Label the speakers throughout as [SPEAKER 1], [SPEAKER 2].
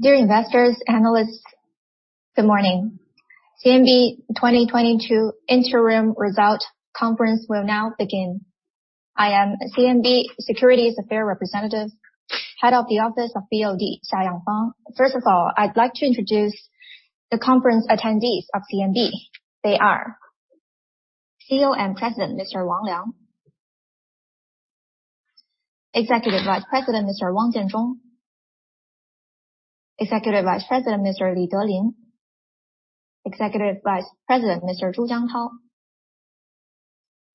[SPEAKER 1] Dear investors, analysts, good morning. CMB 2022 interim results conference will now begin. I am CMB Securities Affairs Representative, Head of the Office of BOD, Xia Yangfang. First of all, I'd like to introduce the conference attendees of CMB. They are CEO and President, Mr. Wang Liang. Executive Vice President, Mr. Wang Jianzhong. Executive Vice President, Mr. Li Delin. Executive Vice President, Mr. Zhu Jiangtao.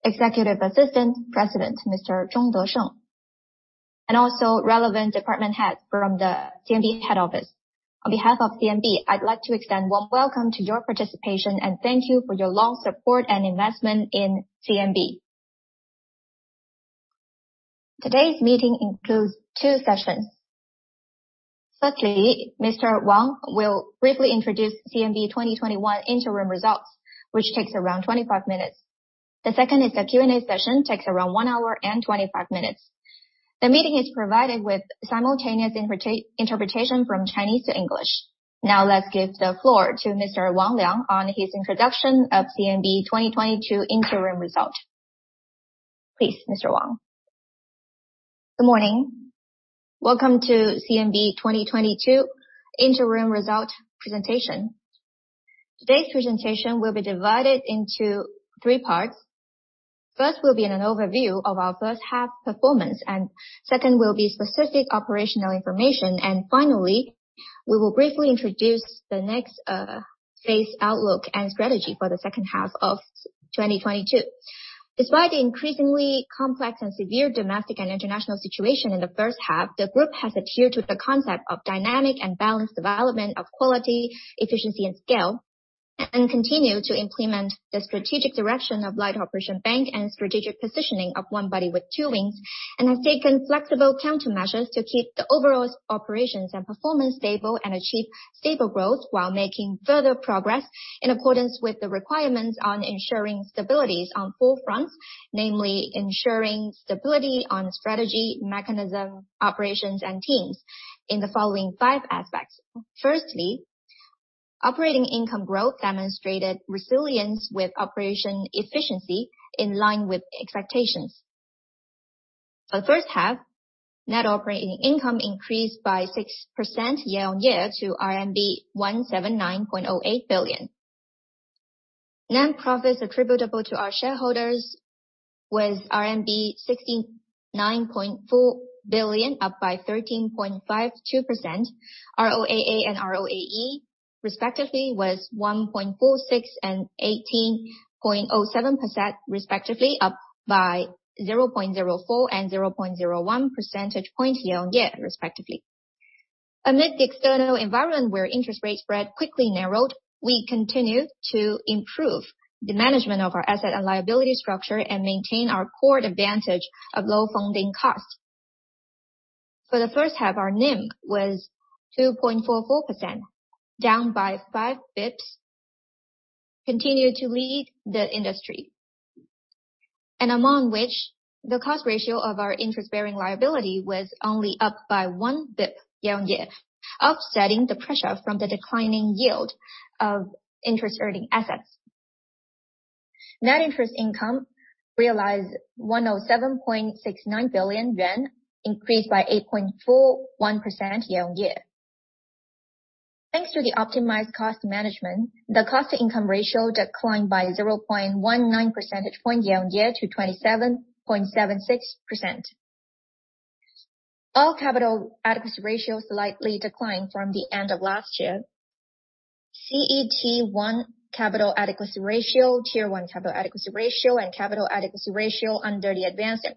[SPEAKER 1] Executive Assistant President, Mr. Zhong Desheng, and also relevant department head from the CMB head office. On behalf of CMB, I'd like to extend a warm welcome to your participation and thank you for your long support and investment in CMB. Today's meeting includes two sessions. Firstly, Mr. Wang will briefly introduce CMB 2021 interim results, which takes around 25 minutes. The second is the Q&A session, takes around 1 hour and 25 minutes. The meeting is provided with simultaneous interpretation from Chinese to English. Now let's give the floor to Mr. Wang Liang on his introduction of CMB 2022 interim result. Please, Mr. Wang. Good morning. Welcome to CMB 2022 interim result presentation. Today's presentation will be divided into three parts. First will be an overview of our first half performance, and second will be specific operational information. Finally, we will briefly introduce the next phase outlook and strategy for the second half of 2022. Despite the increasingly complex and severe domestic and international situation in the first half, the group has adhered to the concept of dynamic and balanced development of quality, efficiency, and scale, and continue to implement the strategic direction of Light-operation Bank and strategic positioning of One Body with Two Wings, and has taken flexible countermeasures to keep the overall operations and performance stable and achieve stable growth while making further progress in accordance with the requirements on ensuring stabilities on four fronts. Namely, ensuring stability on strategy, mechanism, operations, and teams in the following five aspects. Firstly, operating income growth demonstrated resilience with operation efficiency in line with expectations. In the first half, net operating income increased by 6% year-on-year to RMB 179.08 billion. Net profits attributable to our shareholders was RMB 69.4 billion, up by 13.52%. ROAA and ROAE respectively was 1.46% and 18.07% respectively, up by 0.04 and 0.01 percentage points year-on-year, respectively. Amid the external environment where interest rate spread quickly narrowed, we continued to improve the management of our asset and liability structure and maintain our core advantage of low funding costs. For the first half, our NIM was 2.44%, down by five basis points, continued to lead the industry. Among which, the cost ratio of our interest-bearing liability was only up by one basis point year-on-year, offsetting the pressure from the declining yield of interest earning assets. Net interest income realized 7.69 billion yuan, increased by 8.41% year-on-year. Thanks to the optimized cost management, the cost-to-income ratio declined by 0.19 percentage point year-on-year to 27.76%. All capital adequacy ratios slightly declined from the end of last year. CET1 capital adequacy ratio, Tier 1 capital adequacy ratio, and capital adequacy ratio under the advanced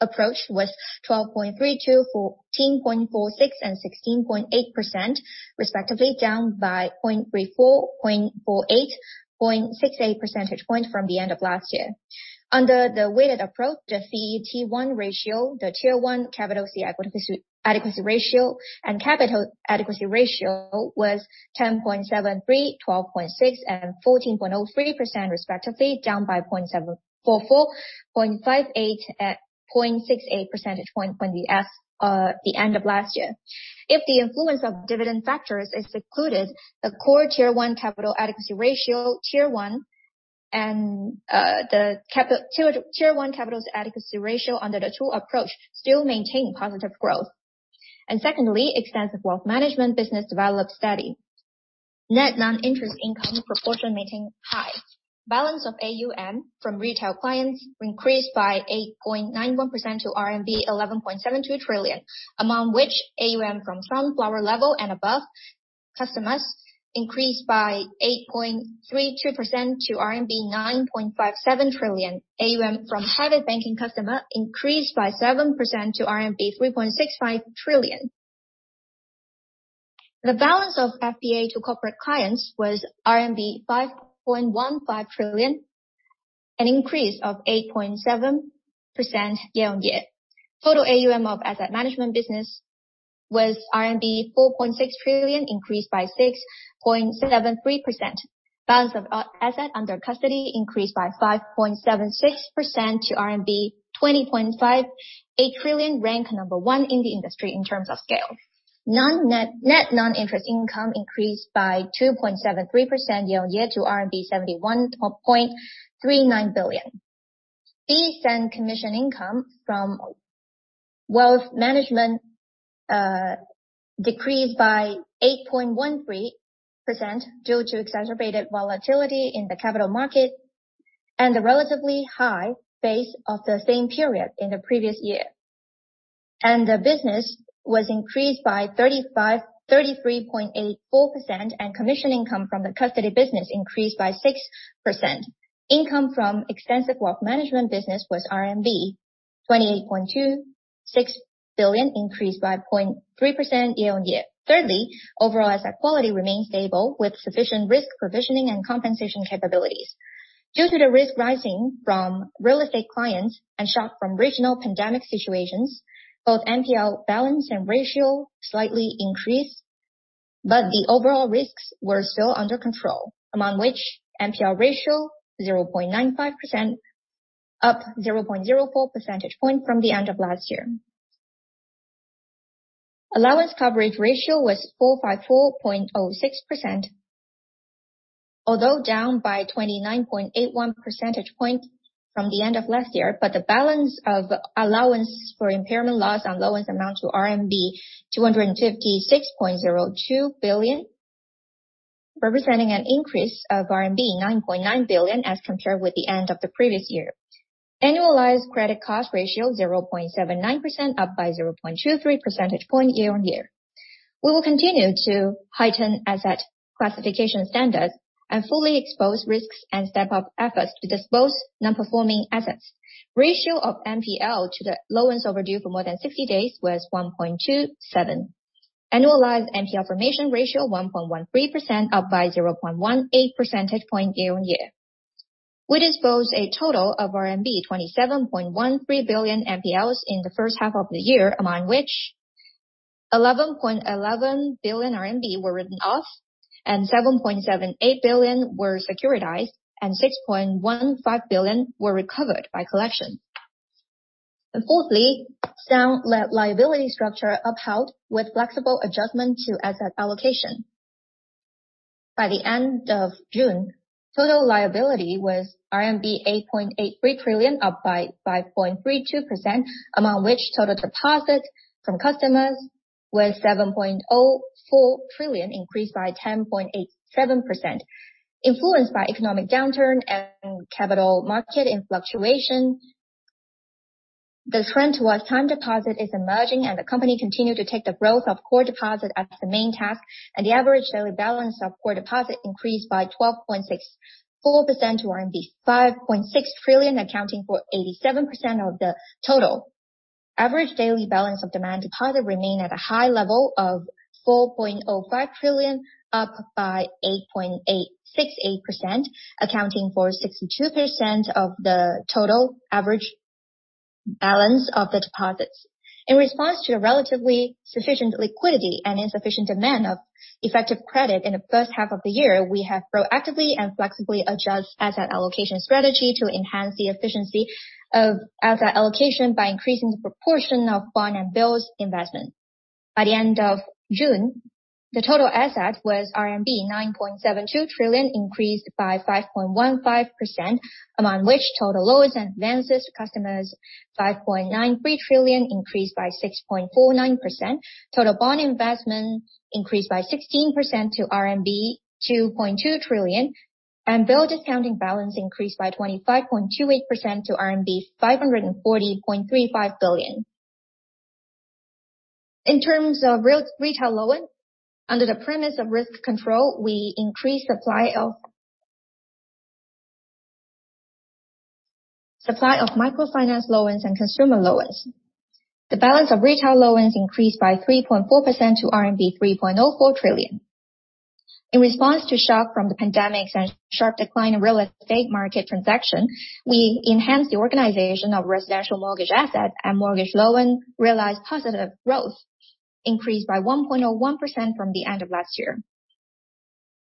[SPEAKER 1] approach was 12.32%, 14.46%, and 16.8% respectively, down by 0.34, 0.48, 0.68 percentage point from the end of last year. Under the weighted approach, the CET1 ratio, the Tier 1 capital adequacy ratio, and capital adequacy ratio was 10.73%, 12.6%, and 14.03% respectively, down by 0.744, 0.58, and 0.68 percentage point from the end of last year. If the influence of dividend factors is secluded, the core Tier 1 capital adequacy ratio, Tier 1 capital's adequacy ratio under the two approach still maintain positive growth. Secondly, extensive wealth management business developed steady. Net non-interest income proportion maintaining high. Balance of AUM from retail clients increased by 8.91% to RMB 11.72 trillion, among which AUM from Sunflower level and above customers increased by 8.32% to RMB 9.57 trillion. AUM from private banking customer increased by 7% to RMB 3.65 trillion. The balance of FPA to corporate clients was RMB 5.15 trillion, an increase of 8.7% year-on-year. Total AUM of asset management business was RMB 4.6 trillion, increased by 6.73%. Balance of asset under custody increased by 5.76% to RMB 20.58 trillion, ranking number one in the industry in terms of scale. Net non-interest income increased by 2.73% year-on-year to RMB 71.39 billion. Fees and commission income from wealth management decreased by 8.13% due to exacerbated volatility in the capital market and the relatively high base of the same period in the previous year. The business was increased by 33.84%, and commission income from the custody business increased by 6%. Income from extensive wealth management business was RMB 28.26 billion, increased by 0.3% year-on-year. Thirdly, overall asset quality remains stable with sufficient risk provisioning and compensation capabilities. Due to the risk rising from real estate clients and shock from regional pandemic situations, both NPL balance and ratio slightly increased, but the overall risks were still under control, among which NPL ratio 0.95%, up 0.04 percentage point from the end of last year. Allowance coverage ratio was 454.06%. Although down by 29.81 percentage point from the end of last year, but the balance of allowance for impairment loss on loans amount to RMB 256.02 billion, representing an increase of RMB 9.9 billion as compared with the end of the previous year. Annualized credit cost ratio 0.79%, up by 0.23 percentage point year-on-year. We will continue to heighten asset classification standards and fully expose risks and step up efforts to dispose non-performing assets. Ratio of NPL to the loans overdue for more than 60 days was 1.27. Annualized NPL formation ratio 1.13%, up by 0.18 percentage point year-on-year. We disposed a total of RMB 27.13 billion NPLs in the first half of the year, among which 11.11 billion RMB were written off and 7.78 billion were securitized, and 6.15 billion were recovered by collection. Fourthly, sound liability structure upheld with flexible adjustment to asset allocation. By the end of June, total liability was RMB 8.83 trillion, up by 5.32%, among which total deposits from customers was 7.04 trillion, increased by 10.87%. Influenced by economic downturn and capital market fluctuations, the trend towards time deposits is emerging, and the company continued to take the growth of core deposits as the main task, and the average daily balance of core deposits increased by 12.64% to RMB 5.6 trillion, accounting for 87% of the total. Average daily balance of demand deposits remain at a high level of 4.05 trillion, up by 8.868%, accounting for 62% of the total average balance of the deposits. In response to the relatively sufficient liquidity and insufficient demand of effective credit in the first half of the year, we have proactively and flexibly adjusted asset allocation strategy to enhance the efficiency of asset allocation by increasing the proportion of bond and bills investment. By the end of June, the total asset was RMB 9.72 trillion, increased by 5.15%, among which total loans and advances to customers, 5.93 trillion, increased by 6.49%. Total bond investment increased by 16% to RMB 2.2 trillion, and bill discounting balance increased by 25.28% to RMB 540.35 billion. In terms of retail loans, under the premise of risk control, we increased supply of microfinance loans and consumer loans. The balance of retail loans increased by 3.4% to RMB 3.04 trillion. In response to shock from the pandemics and sharp decline in real estate market transaction, we enhanced the organization of residential mortgage assets, and mortgage loans realized positive growth, increased by 1.01% from the end of last year.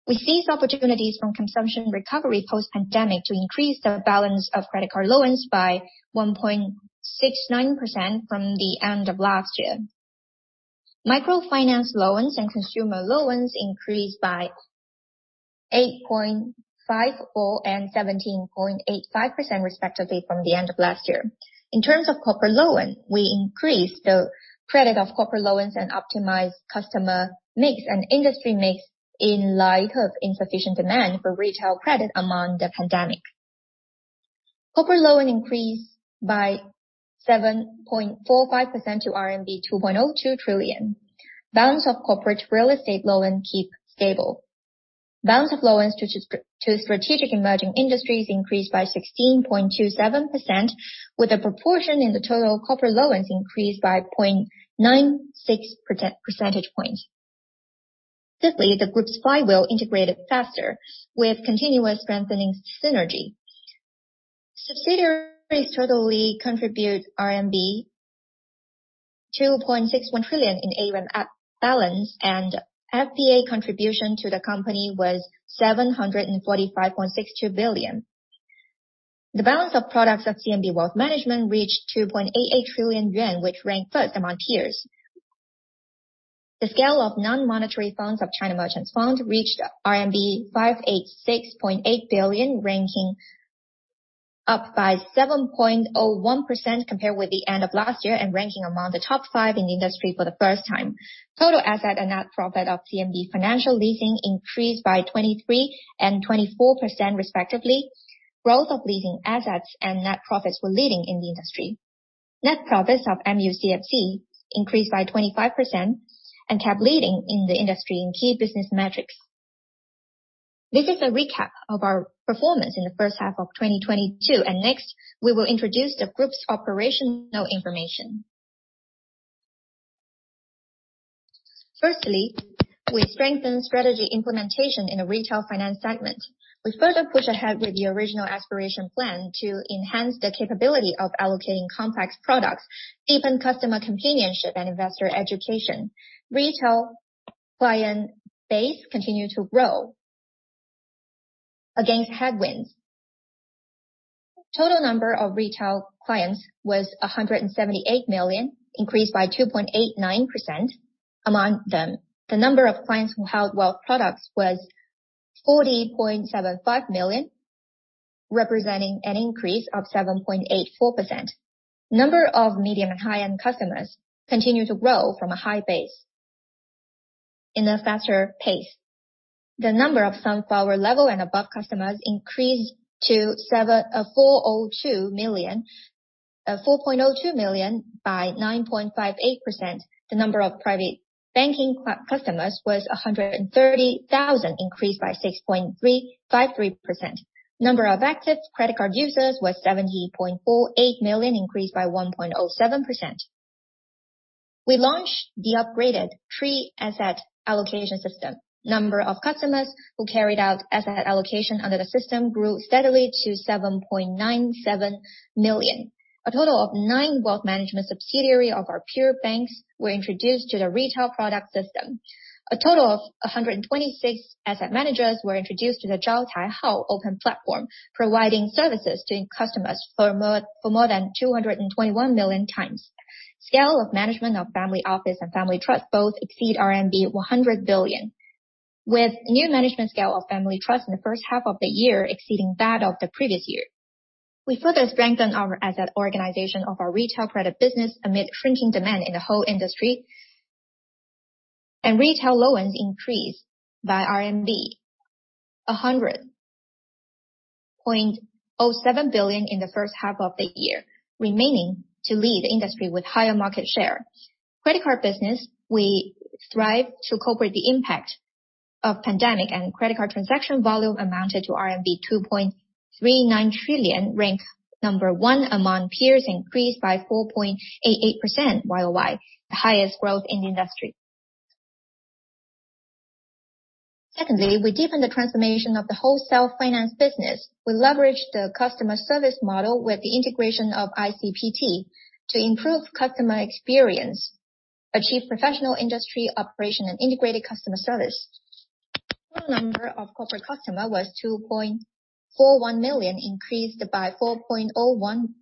[SPEAKER 1] We seized opportunities from consumption recovery post-pandemic to increase the balance of credit card loans by 1.69% from the end of last year. Microfinance loans and consumer loans increased by 8.54% and 17.85% respectively from the end of last year. In terms of corporate loans, we increased the credit of corporate loans and optimized customer mix and industry mix in light of insufficient demand for retail credit among the pandemic. Corporate loans increased by 7.45% to RMB 2.02 trillion. Balance of corporate real estate loans keep stable. Balance of loans to strategic emerging industries increased by 16.27%, with the proportion in the total corporate loans increased by 0.96 percentage points. Fifthly, the group's flywheel integrated faster with continuous strengthening synergy. Subsidiaries totally contribute RMB 2.61 trillion in AUM balance and FPA contribution to the company was 745.62 billion. The balance of products of CMB Wealth Management reached 2.88 trillion yuan, which ranked first among peers. The scale of non-monetary funds of China Merchants Fund reached RMB 586.8 billion, ranking up by 7.01% compared with the end of last year and ranking among the top five in the industry for the first time. Total asset and net profit of CMB Financial Leasing increased by 23% and 24% respectively. Growth of leasing assets and net profits were leading in the industry. Net profits of MUCFC increased by 25% and kept leading in the industry in key business metrics. This is a recap of our performance in the first half of 2022, and next, we will introduce the group's operational information. Firstly, we strengthen strategy implementation in the retail finance segment. We further push ahead with the Original Aspiration Plan to enhance the capability of allocating complex products, deepen customer convenience, and investor education. Retail client base continued to grow against headwinds. Total number of retail clients was 178 million, increased by 2.89%. Among them, the number of clients who held wealth products was 40.75 million, representing an increase of 7.84%. Number of medium and high-end customers continued to grow from a high base in a faster pace. The number of Sunflower level and above customers increased to 4.02 million by 9.58%. The number of private banking customers was 130,000, increased by 6.35%. Number of active credit card users was 70.48 million, increased by 1.07%. We launched the upgraded free asset allocation system. Number of customers who carried out asset allocation under the system grew steadily to 7.97 million. A total of nine wealth management subsidiary of our peer banks were introduced to the retail product system. A total of 126 asset managers were introduced to the Zhaocai Hao open platform, providing services to customers for more than 221 million times. Scale of management of family office and family trust both exceed RMB 100 billion. With new management scale of family trust in the first half of the year exceeding that of the previous year. We further strengthened our asset origination of our retail credit business amid shrinking demand in the whole industry. Retail loans increased by RMB 100.07 billion in the first half of the year, remaining to lead the industry with higher market share. Credit card business, we strive to cover the impact of pandemic, and credit card transaction volume amounted to RMB 2.39 trillion, rank number one among peers, increased by 4.88% year-over-year, the highest growth in the industry. Secondly, we deepen the transformation of the wholesale finance business. We leverage the customer service model with the integration of IB+CB+PB+TB to improve customer experience, achieve professional industry operation and integrated customer service. Total number of corporate customer was 2.41 million, increased by 4.01%,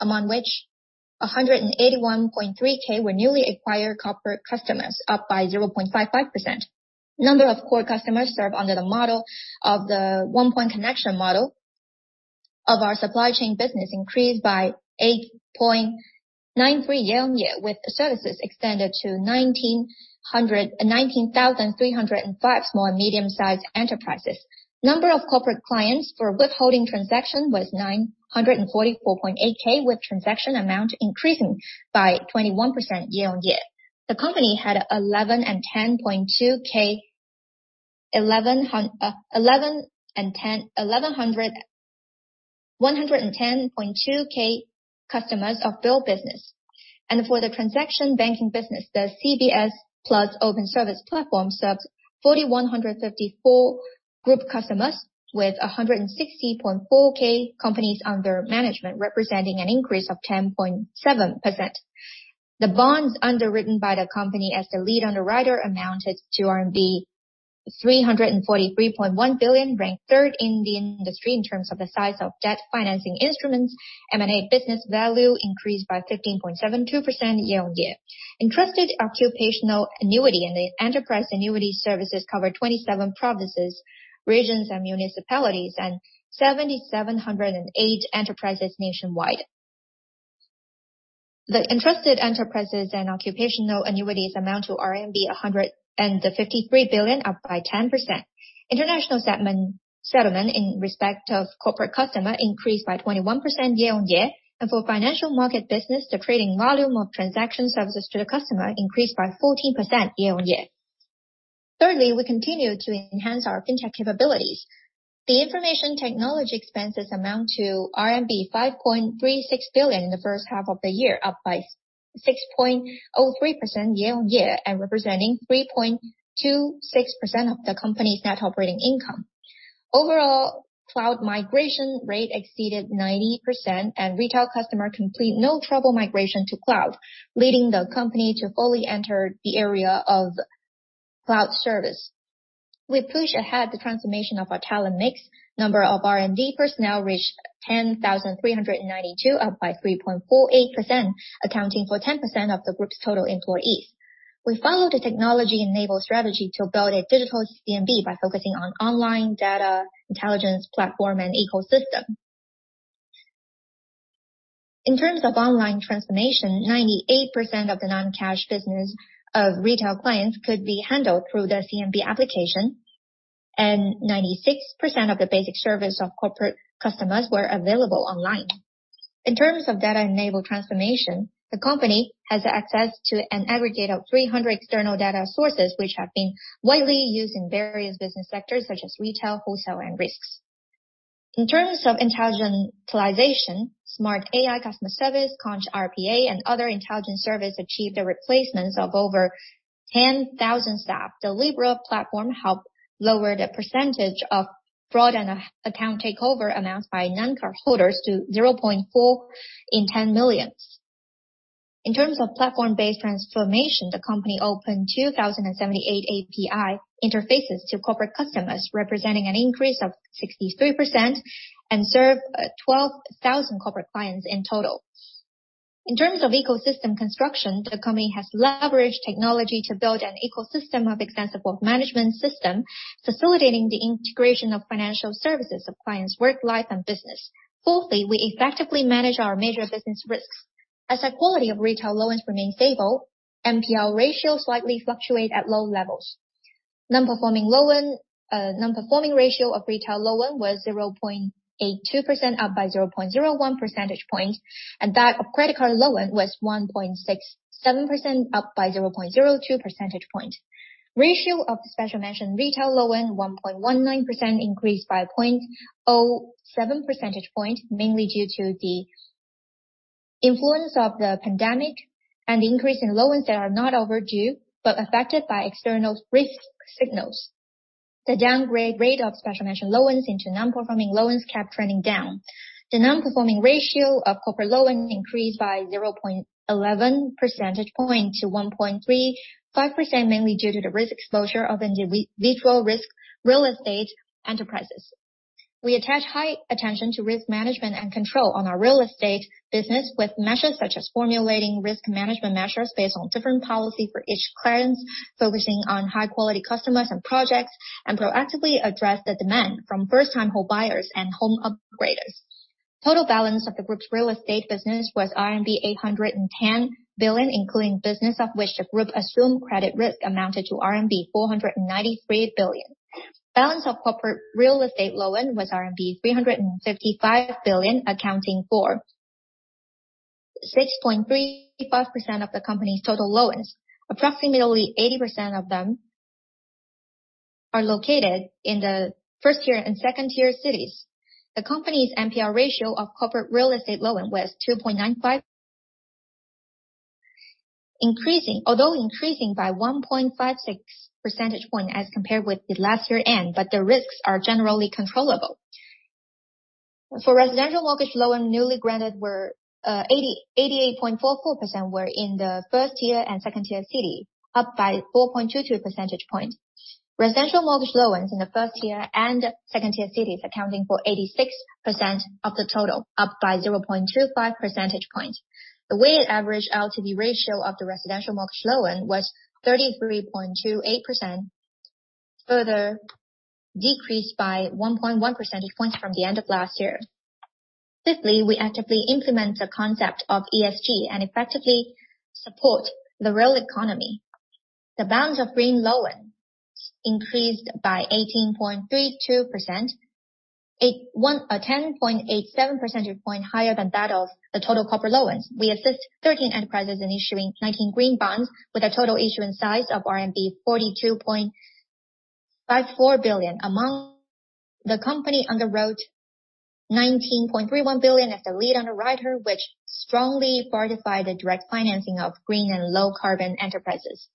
[SPEAKER 1] among which 181.3K were newly acquired corporate customers, up by 0.55%. Number of core customers served under the model of the one-point access model of our supply chain business increased by 8.93% year-over-year, with services extended to 19,305 small and medium-sized enterprises. Number of corporate clients for withholding transaction was 944.8K, with transaction amount increasing by 21% year-over-year. The company had 110.2K customers of bill business. For the transaction banking business, the CBS+ open service platform serves 4,154 group customers with 160.4K companies under management, representing an increase of 10.7%. The bonds underwritten by the company as the lead underwriter amounted to RMB 343.1 billion, ranked third in the industry in terms of the size of debt financing instruments. M&A business value increased by 15.72% year-on-year. Entrusted occupational annuity and the enterprise annuity services covered 27 provinces, regions and municipalities and 7,708 enterprises nationwide. The entrusted enterprises and occupational annuities amount to RMB 153 billion, up by 10%. International settlement in respect of corporate customer increased by 21% year-on-year. For financial market business, the trading volume of transaction services to the customer increased by 14% year-on-year. Thirdly, we continue to enhance our fintech capabilities. The information technology expenses amount to RMB 5.36 billion in the first half of the year, up by 6.03% year-on-year and representing 3.26% of the company's net operating income. Overall, cloud migration rate exceeded 90%, and retail customers complete no-trouble migration to cloud, leading the company to fully enter the area of cloud service. We push ahead the transformation of our talent mix. Number of R&D personnel reached 10,392, up by 3.48%, accounting for 10% of the group's total employees. We follow the technology-enabled strategy to build a digital CMB by focusing on online data intelligence platform, and ecosystem. In terms of online transformation, 98% of the non-cash business of retail clients could be handled through the CMB application, and 96% of the basic service of corporate customers were available online. In terms of data-enabled transformation, the company has access to an aggregate of 300 external data sources which have been widely used in various business sectors such as retail, wholesale, and risks. In terms of intelligentization, smart AI customer service, Conch RPA and other intelligent service achieved the replacements of over 10,000 staff. The Libra platform helped lower the percentage of fraud and account takeover amounts by non-cardholders to 0.4 in 10 million. In terms of platform-based transformation, the company opened 2,078 API interfaces to corporate customers, representing an increase of 63% and serve 12,000 corporate clients in total. In terms of ecosystem construction, the company has leveraged technology to build an ecosystem of extensive wealth management, facilitating the integration of financial services of clients' work, life, and business. Fourthly, we effectively manage our major business risks. Asset quality of retail loans remain stable. NPL ratio slightly fluctuate at low levels. Non-performing ratio of retail loan was 0.82%, up by 0.01 percentage point, and that of credit card loan was 1.67%, up by 0.02 percentage point. Ratio of the special mention retail loan, 1.19% increased by 0.07 percentage point, mainly due to the influence of the pandemic and the increase in loans that are not overdue but affected by external risk signals. The downgrade rate of special mention loans into non-performing loans kept trending down. The non-performing ratio of corporate loan increased by 0.11 percentage point to 1.35%, mainly due to the risk exposure of individual risk real estate enterprises. We attach high attention to risk management and control on our real estate business with measures such as formulating risk management measures based on different policy for each client, focusing on high-quality customers and projects, and proactively address the demand from first-time home buyers and home upgraders. Total balance of the group's real estate business was RMB 810 billion, including business of which the group assumed credit risk amounted to RMB 493 billion. Balance of corporate real estate loan was RMB 355 billion, accounting for 6.35% of the company's total loans. Approximately 80% of them are located in the first-tier and second-tier cities. The company's NPL ratio of corporate real estate loans was 2.95%, increasing. Although increasing by 1.56 percentage points as compared with the end of last year, but the risks are generally controllable. For residential mortgage loans, newly granted were 88.44% in the first-tier and second-tier cities, up by 4.22 percentage points. Residential mortgage loans in the first-tier and second-tier cities accounting for 86% of the total, up by 0.25 percentage points. The weighted average LTV ratio of the residential mortgage loans was 33.28%, further decreased by 1.1 percentage points from the end of last year. Fifthly, we actively implement the concept of ESG and effectively support the real economy. The balance of green loans increased by 18.32%. It was 10.87 percentage points higher than that of the total corporate loans. We assisted 13 enterprises in issuing 19 green bonds with a total issuance size of RMB 42.54 billion. Among which the company underwrote 19.31 billion as the lead underwriter, which strongly fortifies the direct financing of green and low carbon enterprises.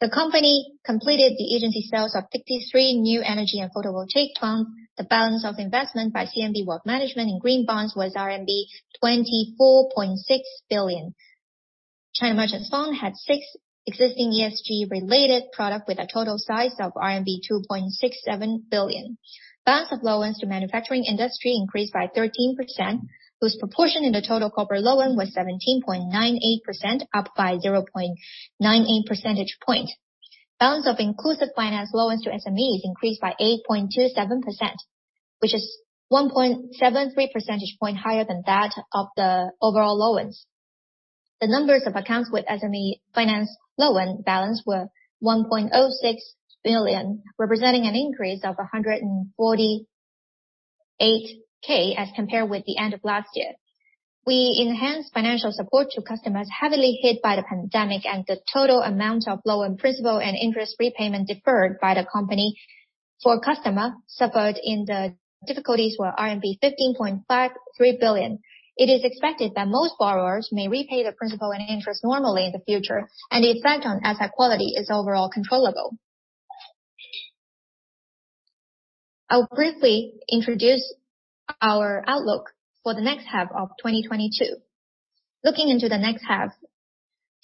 [SPEAKER 1] The company completed the agency sales of 53 new energy and photovoltaic funds. The balance of investment by CMB Wealth Management in green bonds was RMB 24.6 billion. China Merchants Fund had six existing ESG-related products with a total size of RMB 2.67 billion. Balance of loans to manufacturing industry increased by 13%, whose proportion in the total corporate loan was 17.98%, up by 0.98 percentage points. Balance of inclusive finance loans to SMEs increased by 8.27%, which is 1.73 percentage point higher than that of the overall loans. The numbers of accounts with SME finance loan balance were 1.06 billion, representing an increase of 148K as compared with the end of last year. We enhanced financial support to customers heavily hit by the pandemic, and the total amount of loan principal and interest repayment deferred by the company for customer suffered in the difficulties were RMB 15.53 billion. It is expected that most borrowers may repay the principal and interest normally in the future, and the effect on asset quality is overall controllable. I'll briefly introduce our outlook for the next half of 2022. Looking into the next half,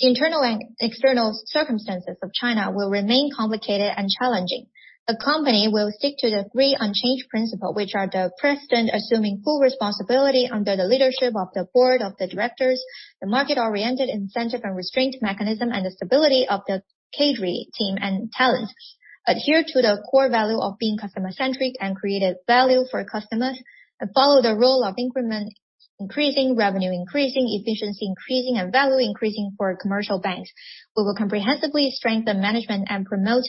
[SPEAKER 1] the internal and external circumstances of China will remain complicated and challenging. The company will stick to the three unchanged principle, which are the president assuming full responsibility under the leadership of the board of directors, the market-oriented incentive and restraint mechanism, and the stability of the cadre team and talent. Adhere to the core value of being customer-centric and create value for customers, and follow the goal of income increasing, revenue increasing, efficiency increasing, and value increasing for commercial banks. We will comprehensively strengthen management and promote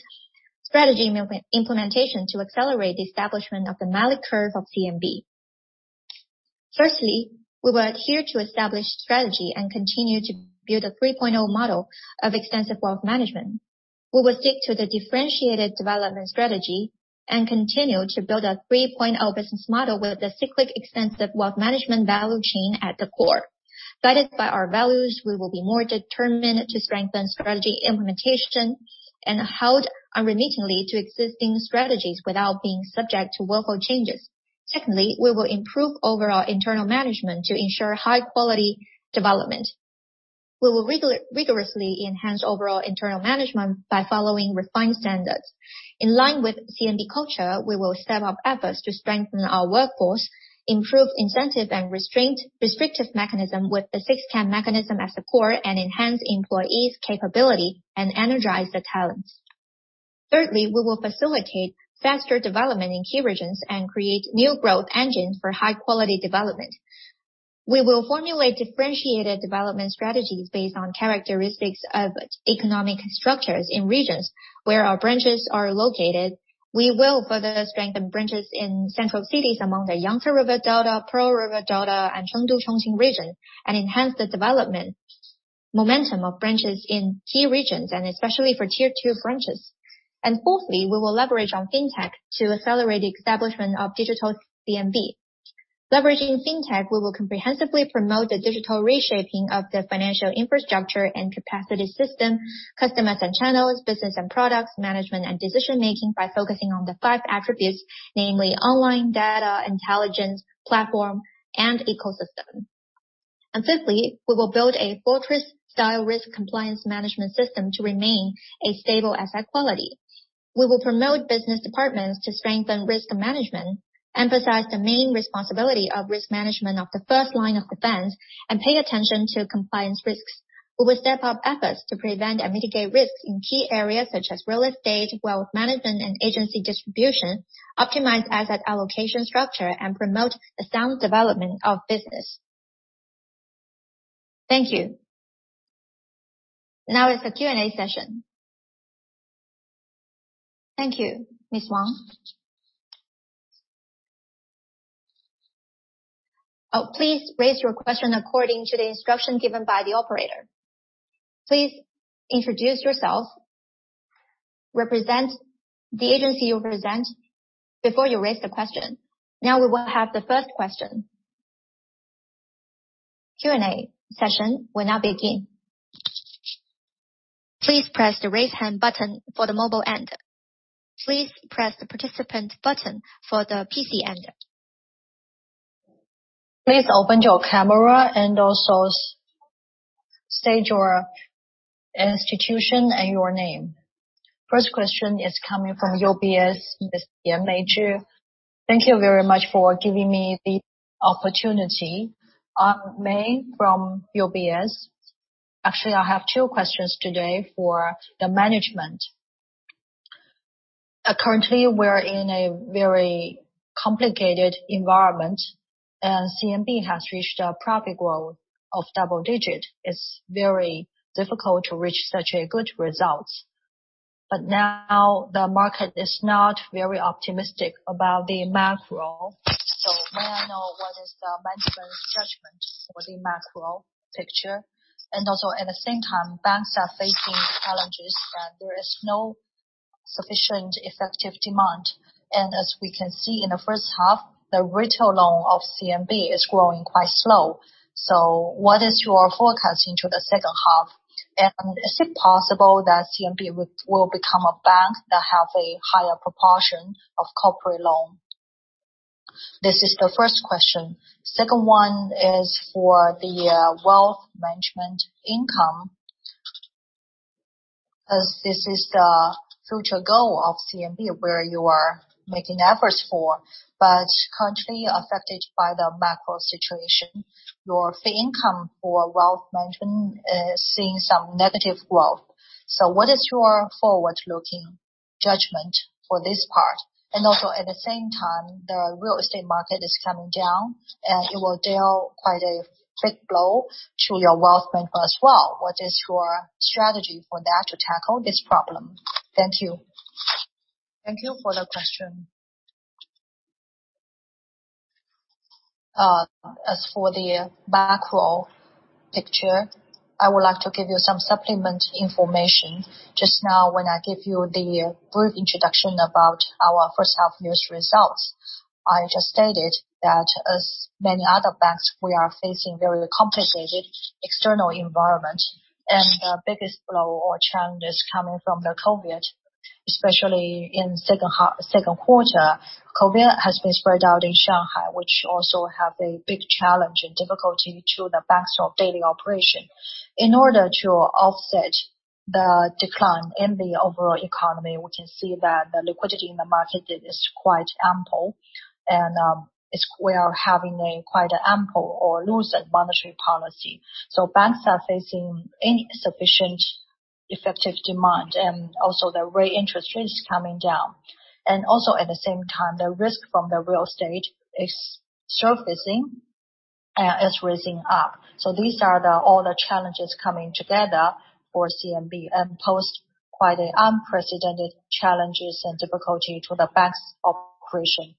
[SPEAKER 1] strategy implementation to accelerate the establishment of the Malik growth curve of CMB. First, we will adhere to established strategy and continue to build a 3.0 model of extensive wealth management. We will stick to the differentiated development strategy and continue to build a 3.0 business model with the cyclical extensive wealth management value chain at the core. Guided by our values, we will be more determined to strengthen strategy implementation and hold unremittingly to existing strategies without being subject to workflow changes. Secondly, we will improve overall internal management to ensure high-quality development. We will rigorously enhance overall internal management by following refined standards. In line with CMB culture, we will step up efforts to strengthen our workforce, improve incentive and constraint mechanism with the six-can-do mechanism as the core, and enhance employees' capability and energize the talents. Thirdly, we will facilitate faster development in key regions and create new growth engines for high-quality development. We will formulate differentiated development strategies based on characteristics of economic structures in regions where our branches are located. We will further strengthen branches in central cities among the Yangtze River Delta, Pearl River Delta, and Chengdu-Chongqing region, and enhance the development momentum of branches in key regions, and especially for tier two branches. Fourthly, we will leverage on fintech to accelerate the establishment of digital CMB. Leveraging fintech, we will comprehensively promote the digital reshaping of the financial infrastructure and capacity system, customers and channels, business and products, management and decision making by focusing on the five attributes, namely online data, intelligence, platform, and ecosystem. Fifthly, we will build a fortress-style risk compliance management system to remain a stable asset quality. We will promote business departments to strengthen risk management, emphasize the main responsibility of risk management of the first line of defense, and pay attention to compliance risks.
[SPEAKER 2] We will step up efforts to prevent and mitigate risks in key areas such as real estate, wealth management, and agency distribution, optimize asset allocation structure, and promote the sound development of business. Thank you. Now is the Q&A session. Thank you, Ms. Wang. Please raise your question according to the instructions given by the operator. Please introduce yourself, represent the agency you represent before you raise the question. Now we will have the first question. Q&A session will now begin. Please press the raise hand button for the mobile end. Please press the participant button for the PC end. Please open your camera and also state your institution and your name. First question is coming from UBS, Ms. Yan Meiju. Thank you very much for giving me the opportunity. I'm Yan Meiju from UBS. Actually, I have two questions today for the management.
[SPEAKER 1] Currently, we're in a very complicated environment and CMB has reached a profit growth of double-digit. It's very difficult to reach such a good results. Now the market is not very optimistic about the macro. May I know what is the management's judgment for the macro picture? Also at the same time, banks are facing challenges and there is no sufficient effective demand. As we can see in the first half, the retail loan of CMB is growing quite slow. What is your forecast into the second half? Is it possible that CMB will become a bank that have a higher proportion of corporate loan? This is the first question. Second one is for the wealth management income. As this is the future goal of CMB, where you are making efforts for, but currently affected by the macro situation, your fee income for wealth management is seeing some negative growth. What is your forward-looking judgment for this part? At the same time, the real estate market is coming down, and it will deal quite a big blow to your wealth management as well. What is your strategy for that to tackle this problem? Thank you. Thank you for the question. As for the macro picture, I would like to give you some supplementary information. Just now when I gave you the brief introduction about our first half year's results.
[SPEAKER 3] I just stated that as many other banks, we are facing very complicated external environment. The biggest blow or challenge is coming from the COVID-19, especially in Q2. COVID-19 has been spread out in Shanghai, which also have a big challenge and difficulty to the bank's daily operation. In order to offset the decline in the overall economy, we can see that the liquidity in the market is quite ample and we are having a quite ample or looser monetary policy. Banks are facing insufficient effective demand, and also the interest rate is coming down. Also at the same time, the risk from the real estate is surfacing and is raising up. These are all the challenges coming together for CMB and pose quite a unprecedented challenges and difficulty to the banks operation.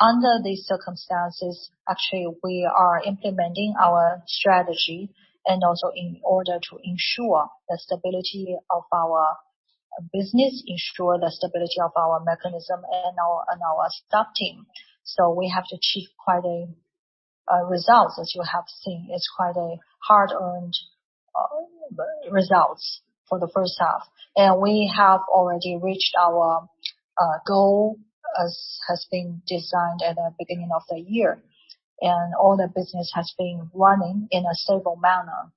[SPEAKER 3] Under these circumstances, actually we are implementing our strategy and also in order to ensure the stability of our business, ensure the stability of our mechanism and our staff team. We have achieved quite a result, as you have seen. It's quite a hard-earned results for the first half. We have already reached our goal as has been designed at the beginning of the year. All the business has been running in a stable manner.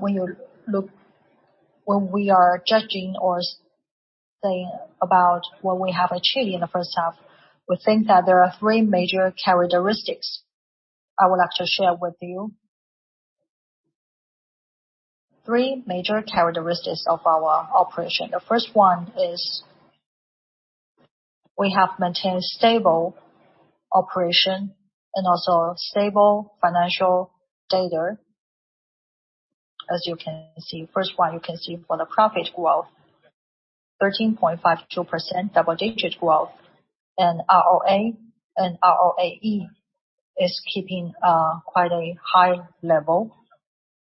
[SPEAKER 3] When you look. When we are judging or saying about what we have achieved in the first half, we think that there are three major characteristics I would like to share with you. Three major characteristics of our operation. The first one is we have maintained stable operation and also stable financial data. As you can see. First one, you can see for the profit growth, 13.52%, double-digit growth. ROA and ROAE is keeping quite a high level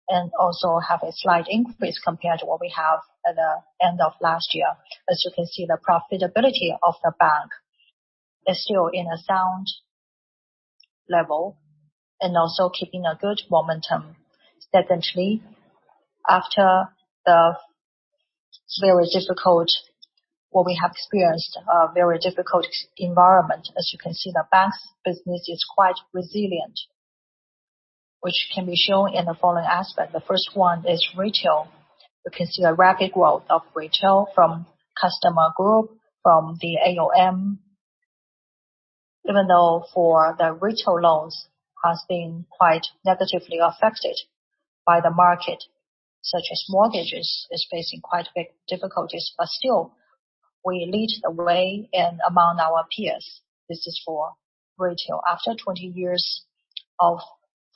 [SPEAKER 3] and also have a slight increase compared to what we have at the end of last year. As you can see, the profitability of the bank is still in a sound level and also keeping a good momentum. Secondly, after what we have experienced, a very difficult environment, as you can see, the bank's business is quite resilient, which can be shown in the following aspect. The first one is retail. You can see the rapid growth of retail from customer group, from the AUM. Even though for the retail loans has been quite negatively affected by the market, such as mortgages is facing quite big difficulties, but still we lead the way and among our peers. This is for retail. After 20 years of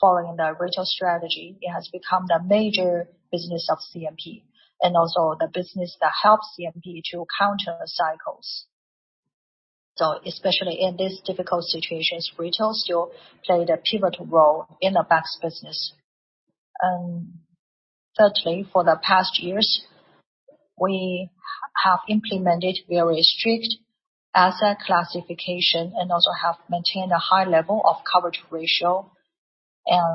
[SPEAKER 3] following the retail strategy, it has become the major business of CMB and also the business that helps CMB to counter the cycles. Especially in these difficult situations, retail still play the pivotal role in the bank's business. Thirdly, for the past years, we have implemented very strict asset classification and also have maintained a high level of coverage ratio,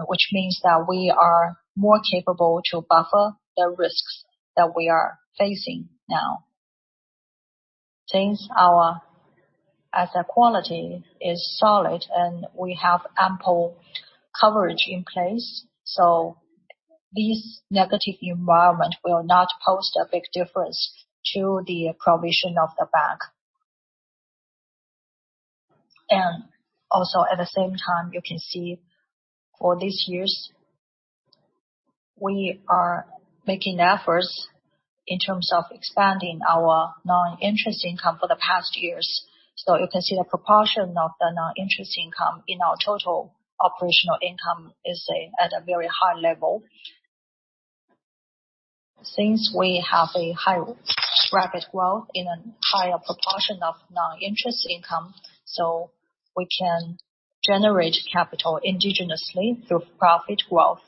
[SPEAKER 3] which means that we are more capable to buffer the risks that we are facing now. Since our asset quality is solid and we have ample coverage in place, this negative environment will not pose a big difference to the provision of the bank. Also at the same time, you can see for these years, we are making efforts in terms of expanding our non-interest income for the past years. You can see the proportion of the non-interest income in our total operational income is at a very high level. Since we have a high rapid growth in a higher proportion of non-interest income, we can generate capital indigenously through profit growth.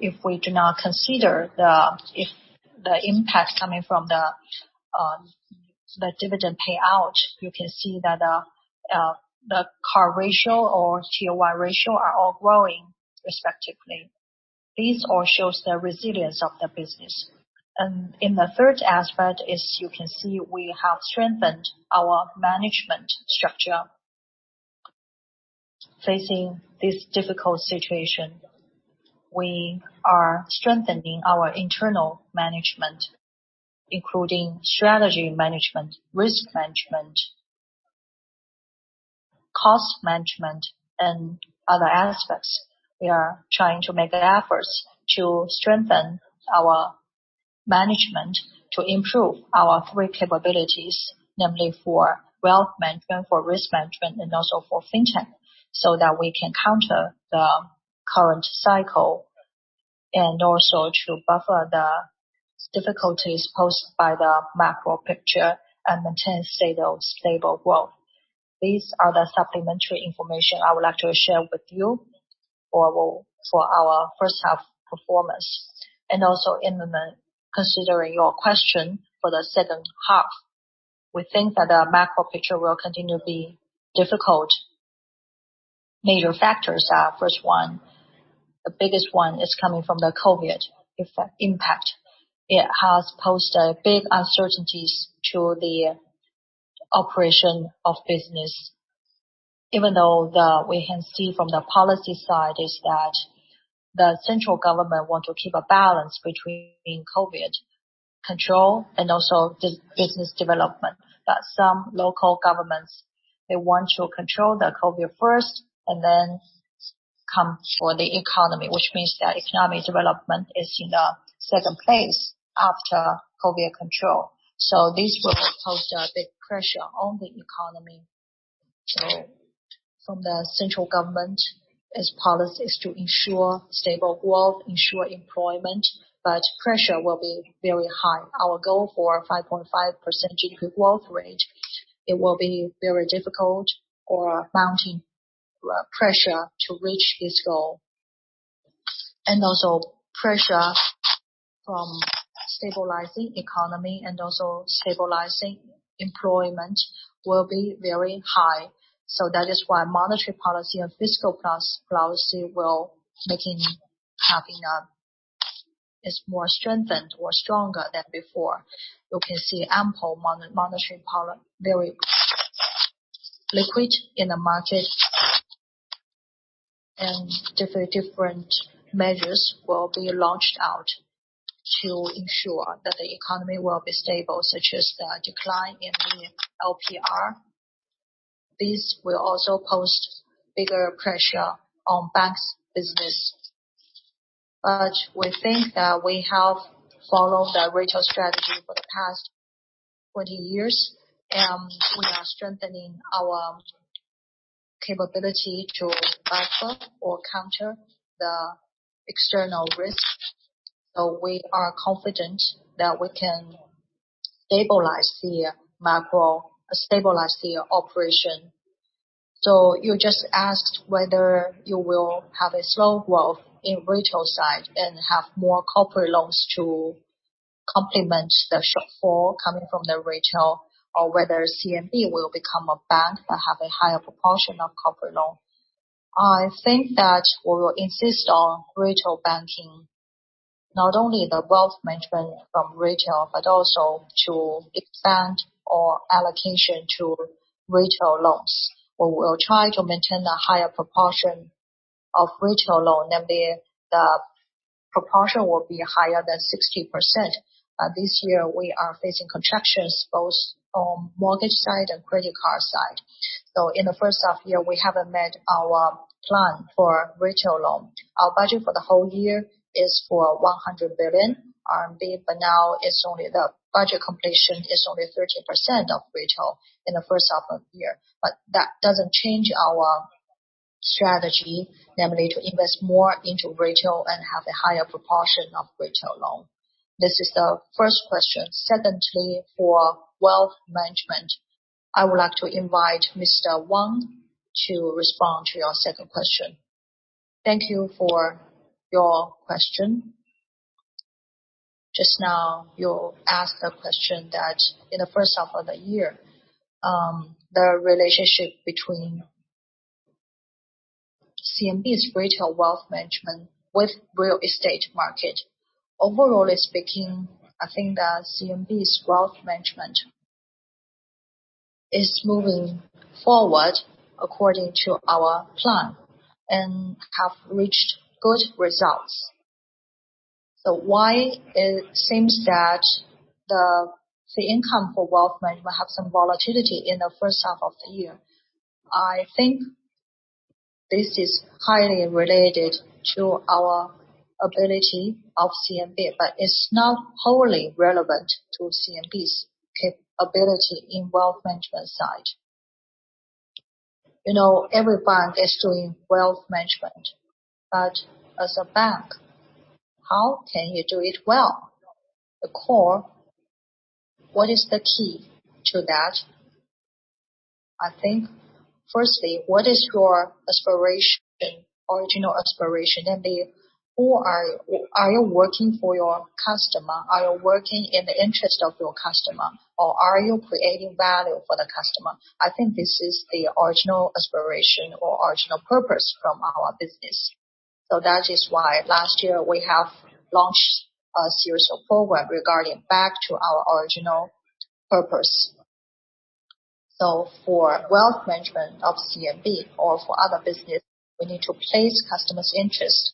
[SPEAKER 3] If we do not consider the impact coming from the dividend payout, you can see that the CAR ratio or COI ratio are all growing respectively. These all shows the resilience of the business. In the third aspect is you can see we have strengthened our management structure. Facing this difficult situation, we are strengthening our internal management, including strategy management, risk management, cost management and other aspects. We are trying to make efforts to strengthen our management to improve our three capabilities, namely for wealth management, for risk management, and also for fintech, so that we can counter the current cycle and also to buffer the difficulties posed by the macro picture and maintain stable growth. These are the supplementary information I would like to share with you for our first half performance. Also in the, considering your question for the second half, we think that the macro picture will continue to be difficult. Major factors are, first one, the biggest one is coming from the COVID effect impact. It has posed a big uncertainties to the operation of business. Even though we can see from the policy side is that the central government want to keep a balance between COVID control and also business development. Some local governments, they want to control the COVID first and then come for the economy, which means that economic development is in a second place after COVID control. This will pose a big pressure on the economy. From the central government, its policy is to ensure stable growth, ensure employment, but pressure will be very high. Our goal for 5.5% growth rate, it will be very difficult or mounting pressure to reach this goal. Also pressure from stabilizing economy and also stabilizing employment will be very high. That is why monetary policy and fiscal policy more strengthened or stronger than before. You can see ample monetary policy very liquid in the market. Different measures will be launched out to ensure that the economy will be stable, such as the decline in LPR. This will also pose bigger pressure on banks' business. We think that we have followed the retail strategy for the past 20 years, and we are strengthening our capability to buffer or counter the external risk. We are confident that we can stabilize the macro, stabilize the operation. You just asked whether you will have a slow growth in retail side and have more corporate loans to complement the shortfall coming from the retail or whether CMB will become a bank that have a higher proportion of corporate loan. I think that we will insist on retail banking, not only the wealth management from retail, but also to expand our allocation to retail loans. We will try to maintain a higher proportion of retail loan, namely the proportion will be higher than 60%. This year, we are facing contractions both on mortgage side and credit card side. In the first half year, we haven't met our plan for retail loan. Our budget for the whole year is for 100 billion RMB, but now it's only the budget completion is only 13% of retail in the first half of year. That doesn't change our strategy, namely to invest more into retail and have a higher proportion of retail loan. This is the first question. Secondly, for wealth management, I would like to invite Mr. Wang to respond to your second question. Thank you for your question. Just now, you asked a question that in the first half of the year, the relationship between CMB's retail wealth management with real estate market.
[SPEAKER 4] Overall speaking, I think that CMB's wealth management is moving forward according to our plan and have reached good results. Why it seems that the income for wealth management have some volatility in the first half of the year? I think this is highly related to our ability of CMB, but it's not wholly relevant to CMB's capability in wealth management side. You know, every bank is doing wealth management. As a bank, how can you do it well? The core, what is the key to that? I think firstly, what is your aspiration, original aspiration? Namely, are you working for your customer? Are you working in the interest of your customer? Or are you creating value for the customer? I think this is the original aspiration or original purpose from our business.
[SPEAKER 3] That is why last year we have launched a series of program regarding back to our original purpose. For wealth management of CMB or for other business, we need to place customers' interest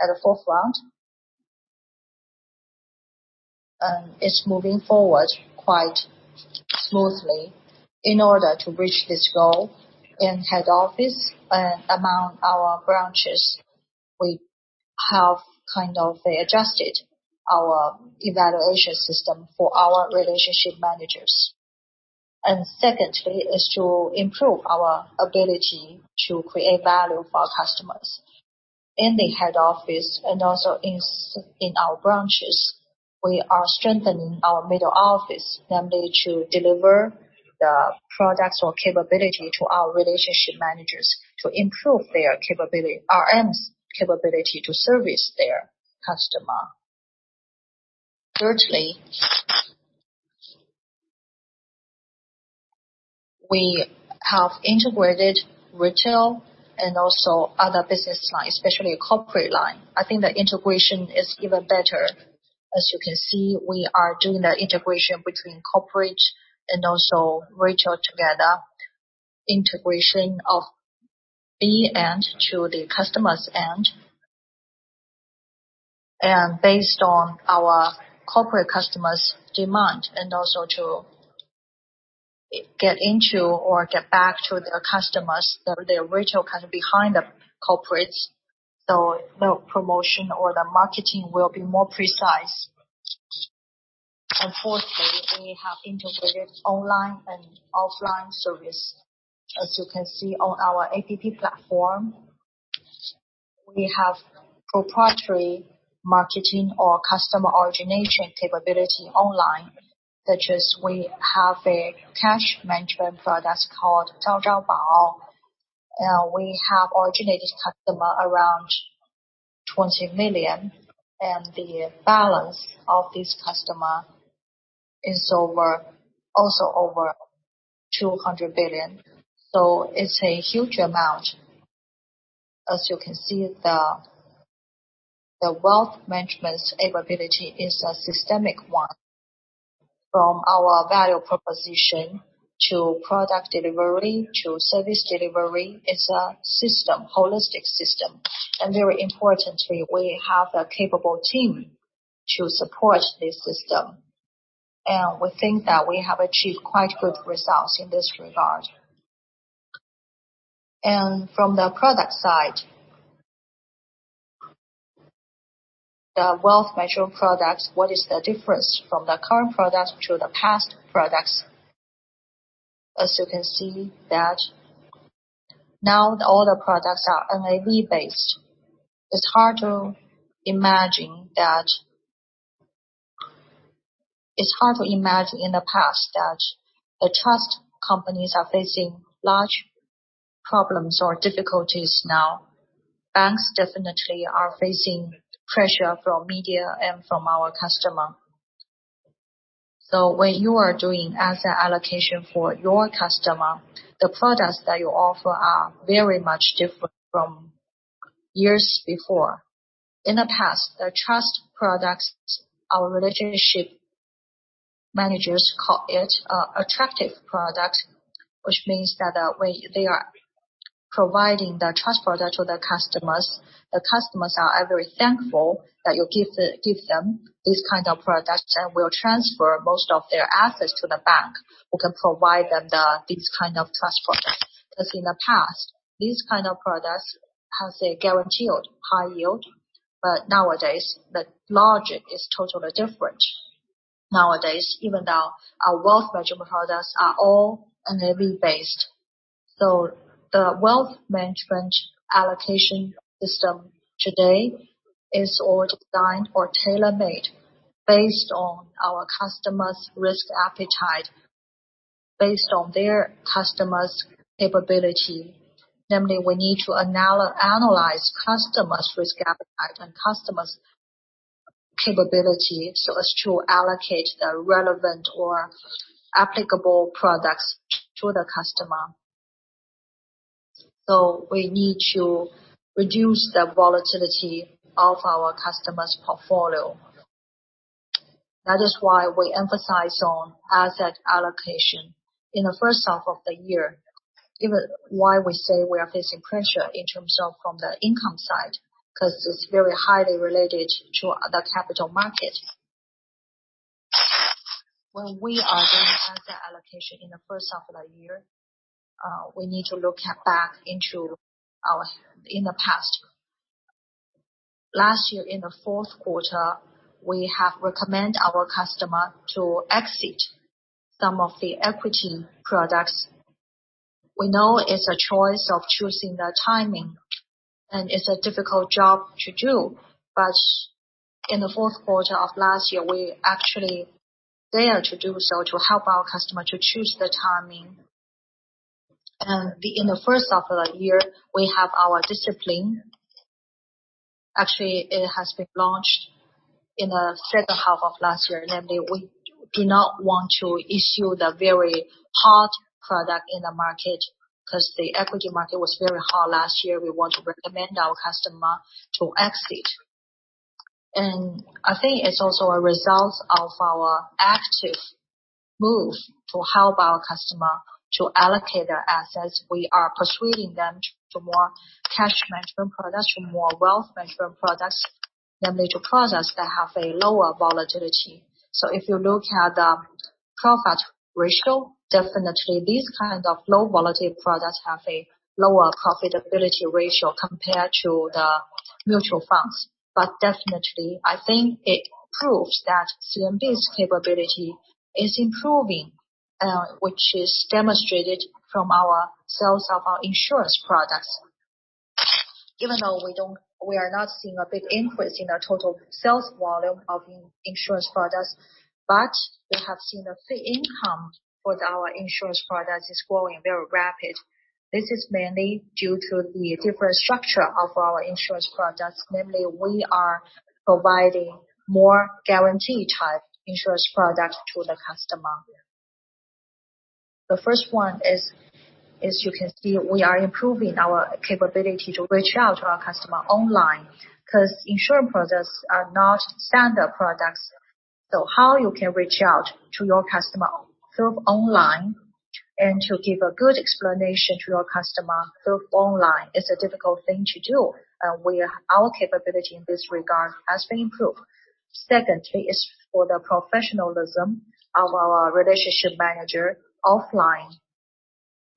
[SPEAKER 3] at the forefront. It's moving forward quite smoothly. In order to reach this goal in head office and among our branches, we have kind of adjusted our evaluation system for our relationship managers. Secondly is to improve our ability to create value for our customers. In the head office and also in our branches. We are strengthening our middle office, namely to deliver the products or capability to our relationship managers to improve their capability, RMs capability to service their customer. Thirdly, we have integrated retail and also other business line, especially corporate line. I think the integration is even better. As you can see, we are doing the integration between corporate and also retail together. Integration of the end to the customer's end. Based on our corporate customers demand, and also to get into or get back to the customers, the retail kind of behind the corporates. The promotion or the marketing will be more precise. Fourthly, we have integrated online and offline service. As you can see on our APP platform, we have proprietary marketing or customer origination capability online, such as we have a cash management product called Zhaozhaobao. We have originated customer around 20 million, and the balance of this customer is over 200 billion. It's a huge amount. As you can see, the wealth management's capability is a systemic one. From our value proposition to product delivery to service delivery, it's a system, holistic system. Very importantly, we have the capable team to support this system. We think that we have achieved quite good results in this regard. From the product side, the wealth management products, what is the difference from the current product to the past products? As you can see that now all the products are NAV-based. It's hard to imagine in the past that the trust companies are facing large problems or difficulties now. Banks definitely are facing pressure from media and from our customer. When you are doing asset allocation for your customer, the products that you offer are very much different from years before. In the past, the trust products, our relationship managers call it, attractive product, which means that, when they are providing the trust product to their customers, the customers are very thankful that you give them this kind of product and will transfer most of their assets to the bank who can provide them these kind of trust product. Because in the past, these kind of products has a guaranteed high yield. Nowadays, the logic is totally different. Nowadays, even now, our wealth management products are all NAV-based. The wealth management allocation system today is all designed or tailor-made based on our customer's risk appetite, based on their customer's capability. Namely, we need to analyze customer's risk appetite and customer's capability so as to allocate the relevant or applicable products to the customer. We need to reduce the volatility of our customer's portfolio. That is why we emphasize on asset allocation. In the first half of the year, even why we say we are facing pressure in terms of from the income side, 'cause it's very highly related to the capital market. When we are doing asset allocation in the first half of the year, we need to look back into the past. Last year, in the Q4, we have recommend our customer to exit some of the equity products. We know it's a choice of choosing the timing, and it's a difficult job to do. But in the Q4 of last year, we actually dare to do so to help our customer to choose the timing. In the first half of the year, we have our discipline. Actually, it has been launched in the second half of last year. Namely, we do not want to issue the very hard product in the market, 'cause the equity market was very hard last year. We want to recommend our customer to exit. I think it's also a result of our active move to help our customer to allocate their assets. We are persuading them to more cash management products, to more wealth management products than major products that have a lower volatility. If you look at the profit ratio, definitely these kind of low volatility products have a lower profitability ratio compared to the mutual funds. Definitely, I think it proves that CMB's capability is improving, which is demonstrated from our sales of our insurance products. Even though we don't. We are not seeing a big increase in our total sales volume of in-insurance products, but we have seen the fee income for our insurance products is growing very rapid. This is mainly due to the different structure of our insurance products. Namely, we are providing more guarantee type insurance products to the customer. The first one is, as you can see, we are improving our capability to reach out to our customer online, 'cause insurance products are not standard products. How you can reach out to your customer through online and to give a good explanation to your customer through online is a difficult thing to do. Our capability in this regard has been improved. Secondly, is for the professionalism of our relationship manager offline.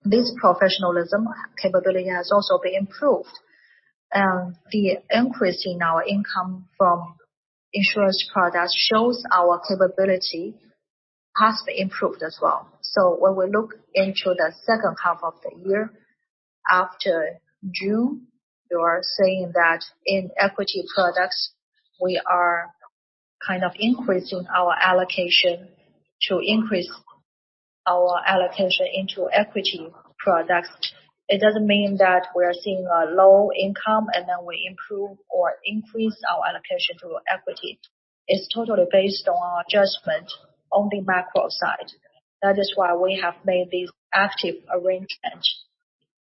[SPEAKER 3] This professionalism capability has also been improved, and the increase in our income from insurance products shows our capability has improved as well. When we look into the second half of the year after June, you are saying that in equity products, we are kind of increasing our allocation into equity products. It doesn't mean that we're seeing a low income and then we improve or increase our allocation through equity. It's totally based on our judgment on the macro side. That is why we have made these active arrangements.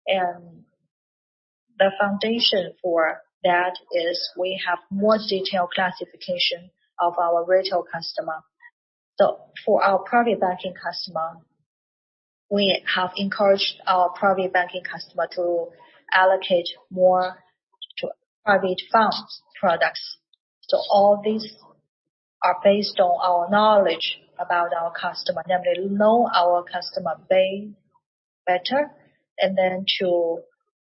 [SPEAKER 3] The foundation for that is we have more detailed classification of our retail customer. For our private banking customer, we have encouraged our private banking customer to allocate more to private funds products. All these are based on our knowledge about our customer. Namely, know our customer base better, and then to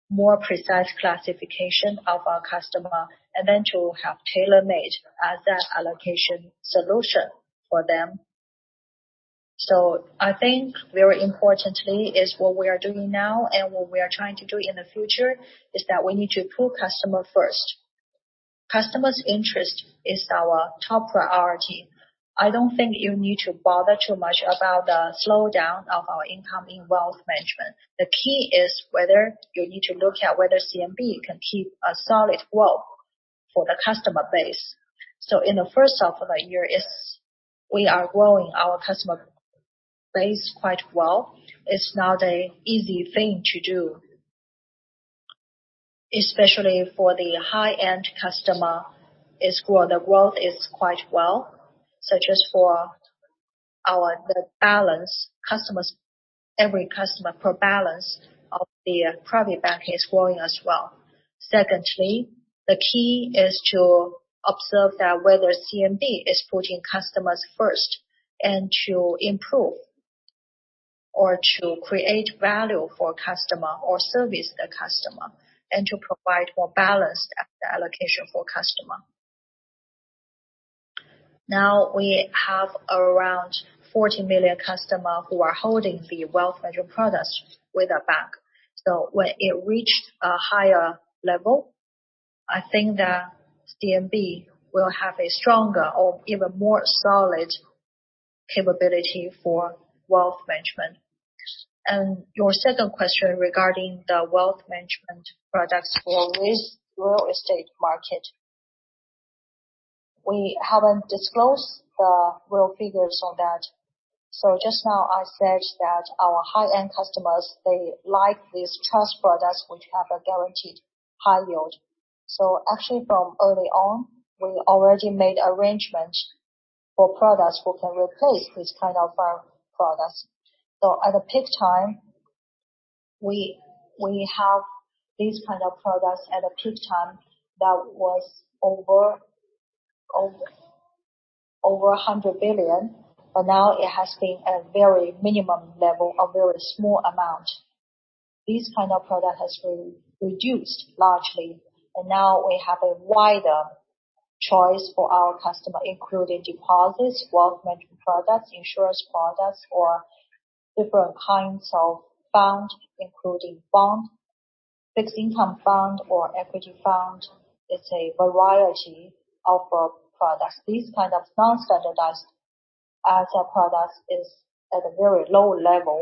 [SPEAKER 3] more precise classification of our customer, and then to have tailor-made asset allocation solution for them. I think very importantly is what we are doing now and what we are trying to do in the future is that we need to put customer first. Customer's interest is our top priority. I don't think you need to bother too much about the slowdown of our income in wealth management. The key is whether you need to look at whether CMB can keep a solid growth for the customer base. We are growing our customer base quite well. It's not an easy thing to do. Especially for the high-end customers who are quite well off, such as for our balance customers. Every customer per balance of the private banking is growing as well. Secondly, the key is to observe that whether CMB is putting customers first and to improve or to create value for customer or service the customer and to provide more balanced asset allocation for customer. Now we have around 40 million customer who are holding the wealth management products with our bank. So when it reached a higher level, I think that CMB will have a stronger or even more solid capability for wealth management. Your second question regarding the wealth management products for the real estate market. We haven't disclosed the real figures on that. So just now, I said that our high-end customers, they like these trust products which have a guaranteed high yield. So actually, from early on, we already made arrangement for products who can replace this kind of our products. At the peak time, we have these kind of products at a peak time that was over 100 billion. Now it has been at a very minimum level, a very small amount. This kind of product has re-reduced largely, and now we have a wider choice for our customer, including deposits, wealth management products, insurance products or different kinds of fund, including bond. Fixed income fund or equity fund is a variety of our products. These kind of non-standardized asset products is at a very low level.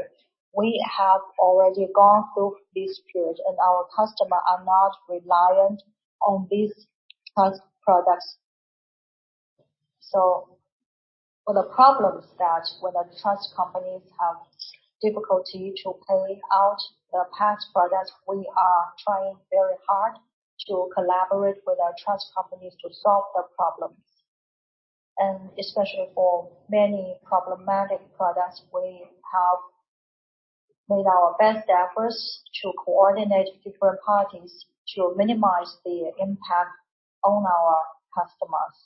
[SPEAKER 3] We have already gone through this period, and our customer are not reliant on these trust products. For the problems that when the trust companies have difficulty to pay out the past products, we are trying very hard to collaborate with our trust companies to solve the problems. Especially for many problematic products, we have made our best efforts to coordinate different parties to minimize the impact on our customers.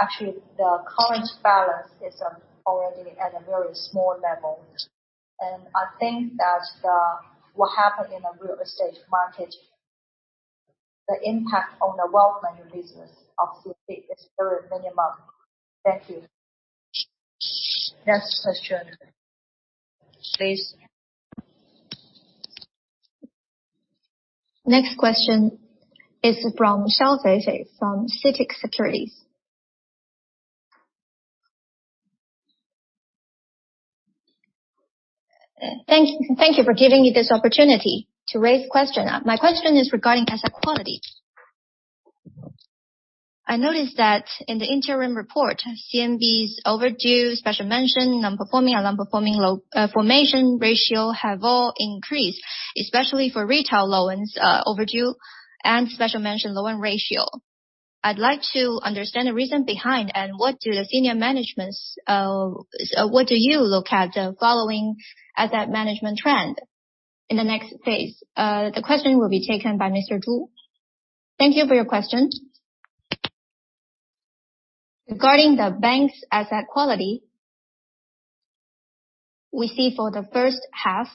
[SPEAKER 3] Actually, the current balance is already at a very small level. I think that what happened in the real estate market.
[SPEAKER 1] The impact on the wealth management business of CMB is very minimal. Thank you. Next question, please.
[SPEAKER 5] Next question is from Feifei Xiao from CITIC Securities.
[SPEAKER 6] Thank you for giving me this opportunity to raise question. My question is regarding asset quality. I noticed that in the interim report, CMB's overdue special mention, non-performing loan formation ratio have all increased, especially for retail loans, overdue and special mention loan ratio. I'd like to understand the reason behind and what do the senior managements, so what do you look at, following asset management trend in the next phase?
[SPEAKER 1] The question will be taken by Mr. Zhu. Thank you for your question.
[SPEAKER 7] Regarding the bank's asset quality, we see for the first half,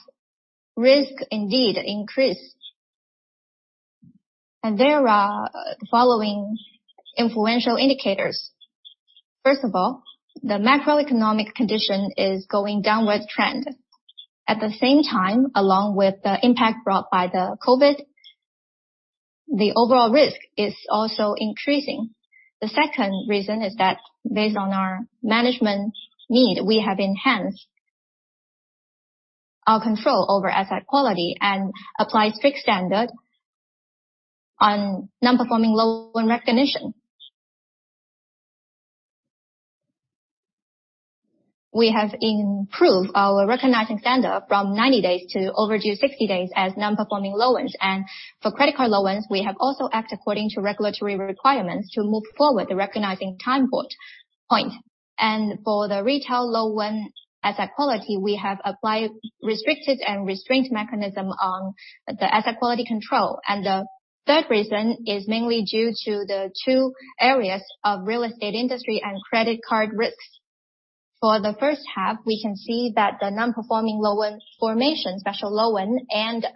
[SPEAKER 7] risk indeed increased. There are following influential indicators. First of all, the macroeconomic condition is going downward trend. At the same time, along with the impact brought by the COVID-19, the overall risk is also increasing.
[SPEAKER 8] The second reason is that based on our management need, we have enhanced our control over asset quality and applied strict standard on non-performing loan recognition. We have improved our recognizing standard from 90 days to overdue 60 days as non-performing loans. For credit card loans, we have also act according to regulatory requirements to move forward the recognizing time point. For the retail loan asset quality, we have applied restricted and restraint mechanism on the asset quality control. The third reason is mainly due to the two areas of real estate industry and credit card risks. For the first half, we can see that the non-performing loan formation, special loan and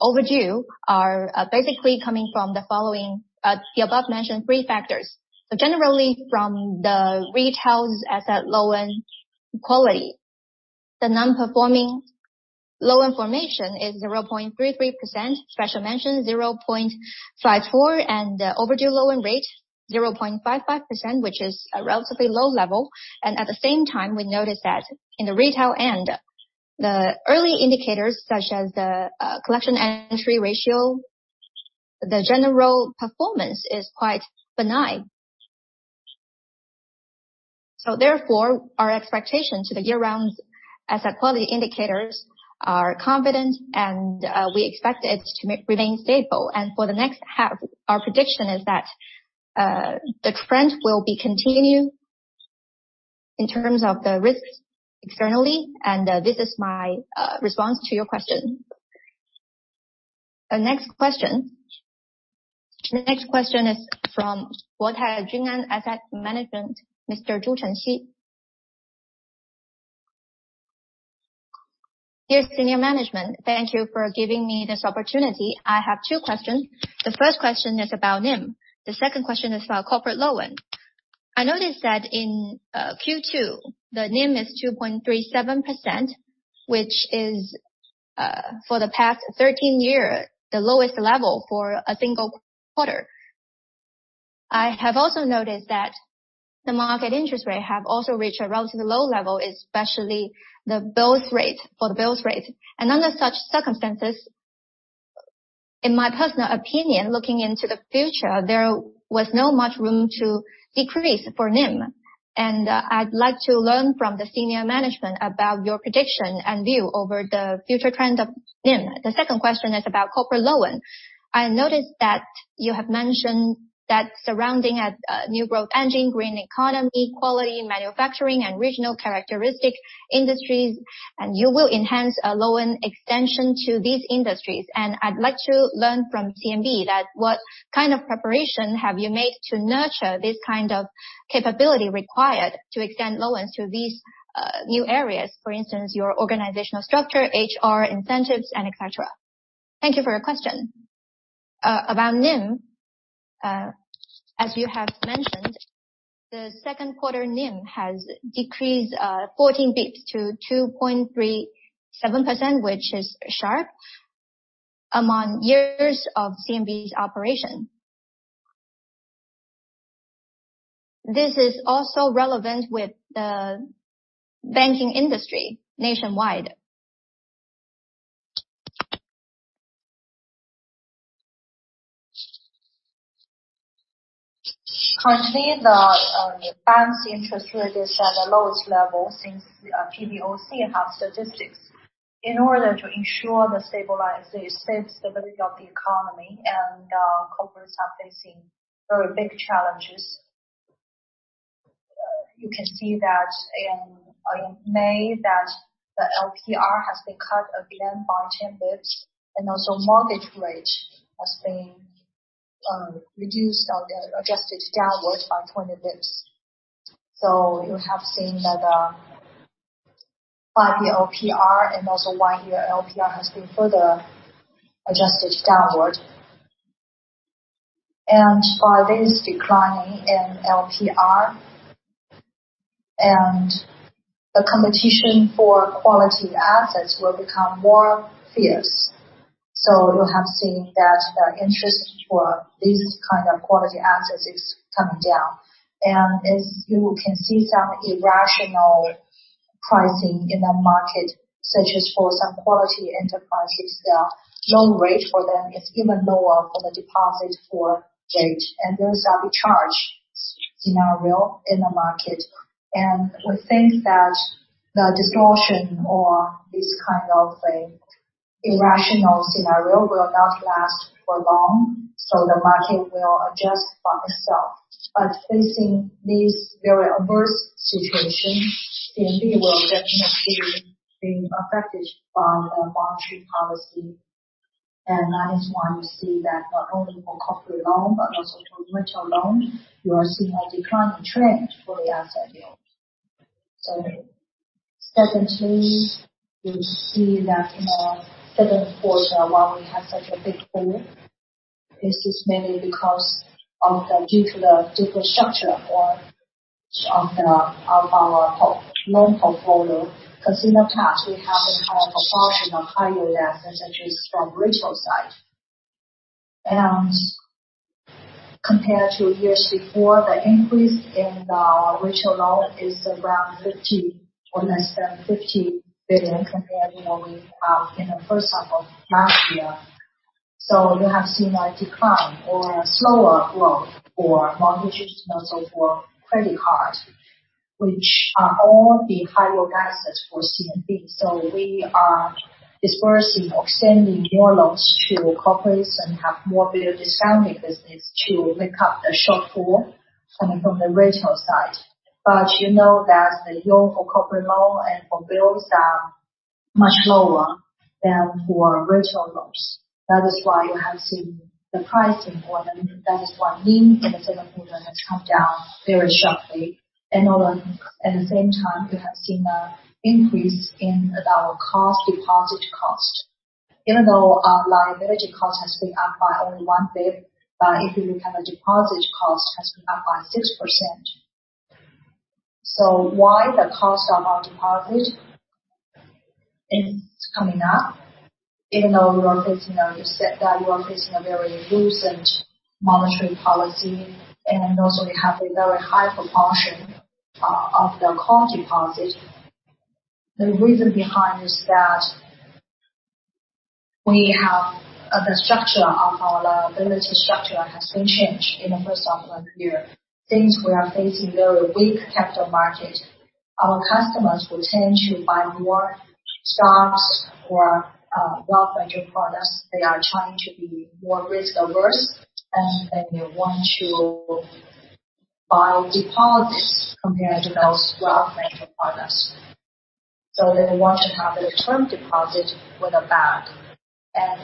[SPEAKER 8] overdue are basically coming from the following, the above mentioned three factors.
[SPEAKER 7] Generally from the retail's asset loan quality, the non-performing loan formation is 0.33%, special mention 0.54%, and overdue loan rate 0.55%, which is a relatively low level. At the same time, we noticed that in the retail end, the early indicators such as the collection entry ratio, the general performance is quite benign. Therefore, our expectation to the year round asset quality indicators are confident and we expect it to remain stable. For the next half, our prediction is that the trend will continue in terms of the risks externally. This is my response to your question. The next question.
[SPEAKER 5] The next question is from Guotai Junan Asset Management, Mr. Zhu Chenxi.
[SPEAKER 7] Dear senior management, thank you for giving me this opportunity. I have two questions. The first question is about NIM. The second question is about corporate loan. I noticed that in Q2, the NIM is 2.37%, which is for the past 13 years, the lowest level for a single quarter. I have also noticed that the market interest rate have also reached a relatively low level, especially the bills rate. Under such circumstances, in my personal opinion, looking into the future, there was not much room to decrease for NIM. I'd like to learn from the senior management about your prediction and view over the future trend of NIM. The second question is about corporate loan.
[SPEAKER 1] I noticed that you have mentioned that surrounding a new growth engine, green economy, quality manufacturing and regional characteristic industries, and you will enhance a loan extension to these industries. I'd like to learn from CMB that what kind of preparation have you made to nurture this kind of capability required to extend loans to these new areas, for instance, your organizational structure, HR incentives and et cetera. Thank you for your question. About NIM, as you have mentioned, the Q2 NIM has decreased 14 basis points to 2.37%, which is sharp among years of CMB's operation. This is also relevant with the banking industry nationwide.
[SPEAKER 3] Currently the bank's interest rate is at the lowest level since PBOC have statistics. In order to ensure the safe stability of the economy and corporates are facing very big challenges. You can see that in May the LPR has been cut again by 10 basis points and also mortgage rate has been reduced or adjusted downwards by 20 basis points. You have seen that 5-year LPR and also 1-year LPR has been further adjusted downward. By this declining in LPR the competition for quality assets will become more fierce. You have seen that the interest for these kind of quality assets is coming down. As you can see, some irrational pricing in the market, such as for some quality enterprises, the loan rate for them is even lower than the deposit rate, and there is an arbitrage scenario in the market. We think that the distortion or this kind of an irrational scenario will not last for long, so the market will adjust by itself. Facing these very adverse situations, CMB will definitely be affected by the monetary policy. That is why you see that not only for corporate loans but also for retail loans, you are seeing a declining trend for the asset yield. Secondly, you see that in the Q2, why we have such a big fall. This is mainly due to the different structure of our loan portfolio, because in the past we have a higher proportion of higher yield assets such as from retail side. Compared to years before, the increase in the retail loan is around 50 billion or less than 50 billion compared, you know, with in the first half of last year. You have seen a decline or a slower growth for mortgages and also for credit card, which are all the higher yield assets for CMB. We are dispersing or extending more loans to corporates and have more bill discounting business to make up the shortfall coming from the retail side. You know that the yield for corporate loan and for bills are much lower than for retail loans. That is why you have seen the pricing for them. That is why NIM in the Q2 has come down very sharply. At the same time, we have seen an increase in our cost, deposit cost. Even though our liability cost has been up by only one bp, but if you look at the deposit cost has been up by 6%. Why the cost of our deposit is coming up, even though we are facing a very loose monetary policy and also we have a very high proportion of the core deposit? The reason behind is that the structure of our liability structure has been changed in the first half of the year. Since we are facing very weak capital market, our customers will tend to buy more stocks or wealth management products. They are trying to be more risk-averse and they want to buy deposits compared to those wealth management products. They want to have a term deposit with a bank and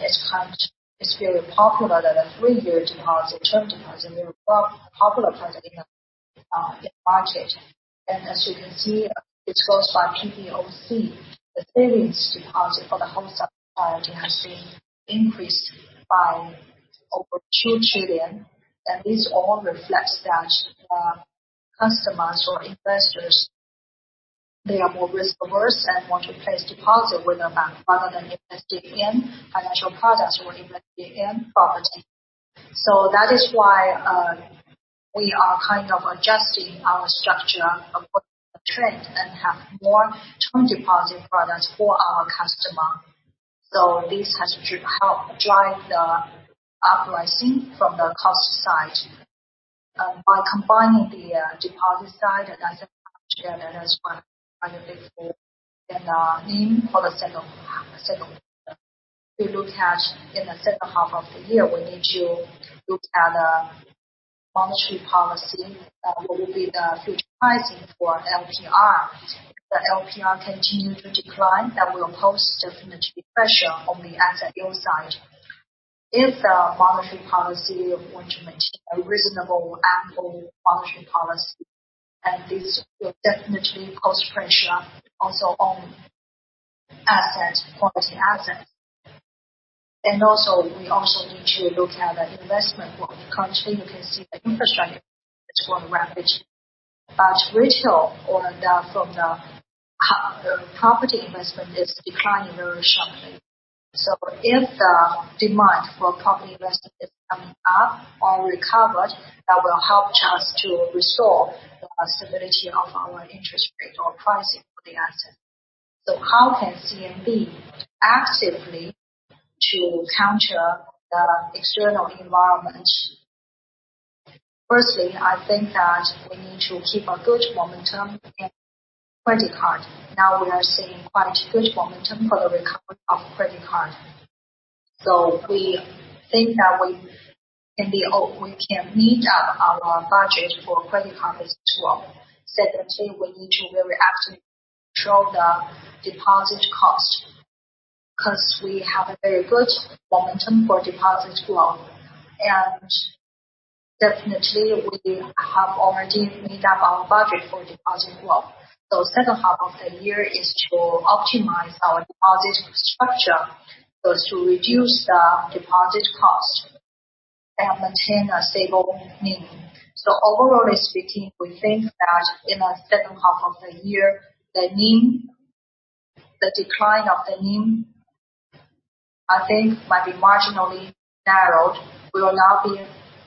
[SPEAKER 3] it's very popular that the three-year deposit, term deposit, very popular product in the market. As you can see, disclosed by PBOC, the savings deposit for the household sector has been increased by over 2 trillion. This all reflects that customers or investors, they are more risk-averse and want to place deposit with the bank rather than investing in financial products or investing in property. That is why we are kind of adjusting our structure according to the trend and have more term deposit products for our customer. This has to help drive the upside from the cost side. By combining the deposit side and asset liability together, that is why in the NIM for the Q2. If you look at in the second half of the year, we need to look at the monetary policy. What will be the future pricing for LPR? If the LPR continue to decline, that will pose definitely pressure on the asset yield side. If the monetary policy is going to maintain a reasonable ample monetary policy, this will definitely cause pressure also on assets, quality assets. We also need to look at the investment world. Currently you can see the infrastructure is growing rapidly, but retail or the, from the commercial property investment is declining very sharply. If the demand for property investment is coming up or recovered, that will help us to restore the stability of our interest rate or pricing for the asset. How can CMB actively to counter the external environment? Firstly, I think that we need to keep a good momentum in credit card. Now we are seeing quite good momentum for the recovery of credit card. We think that we can meet our budget for credit card this year. Secondly, we need to very actively control the deposit cost. 'Cause we have a very good momentum for deposit growth. Definitely, we have already made up our budget for deposit growth. Second half of the year is to optimize our deposit structure, so as to reduce the deposit cost and maintain a stable NIM. Overall speaking, we think that in the second half of the year, the NIM, the decline of the NIM, I think might be marginally narrowed, will not be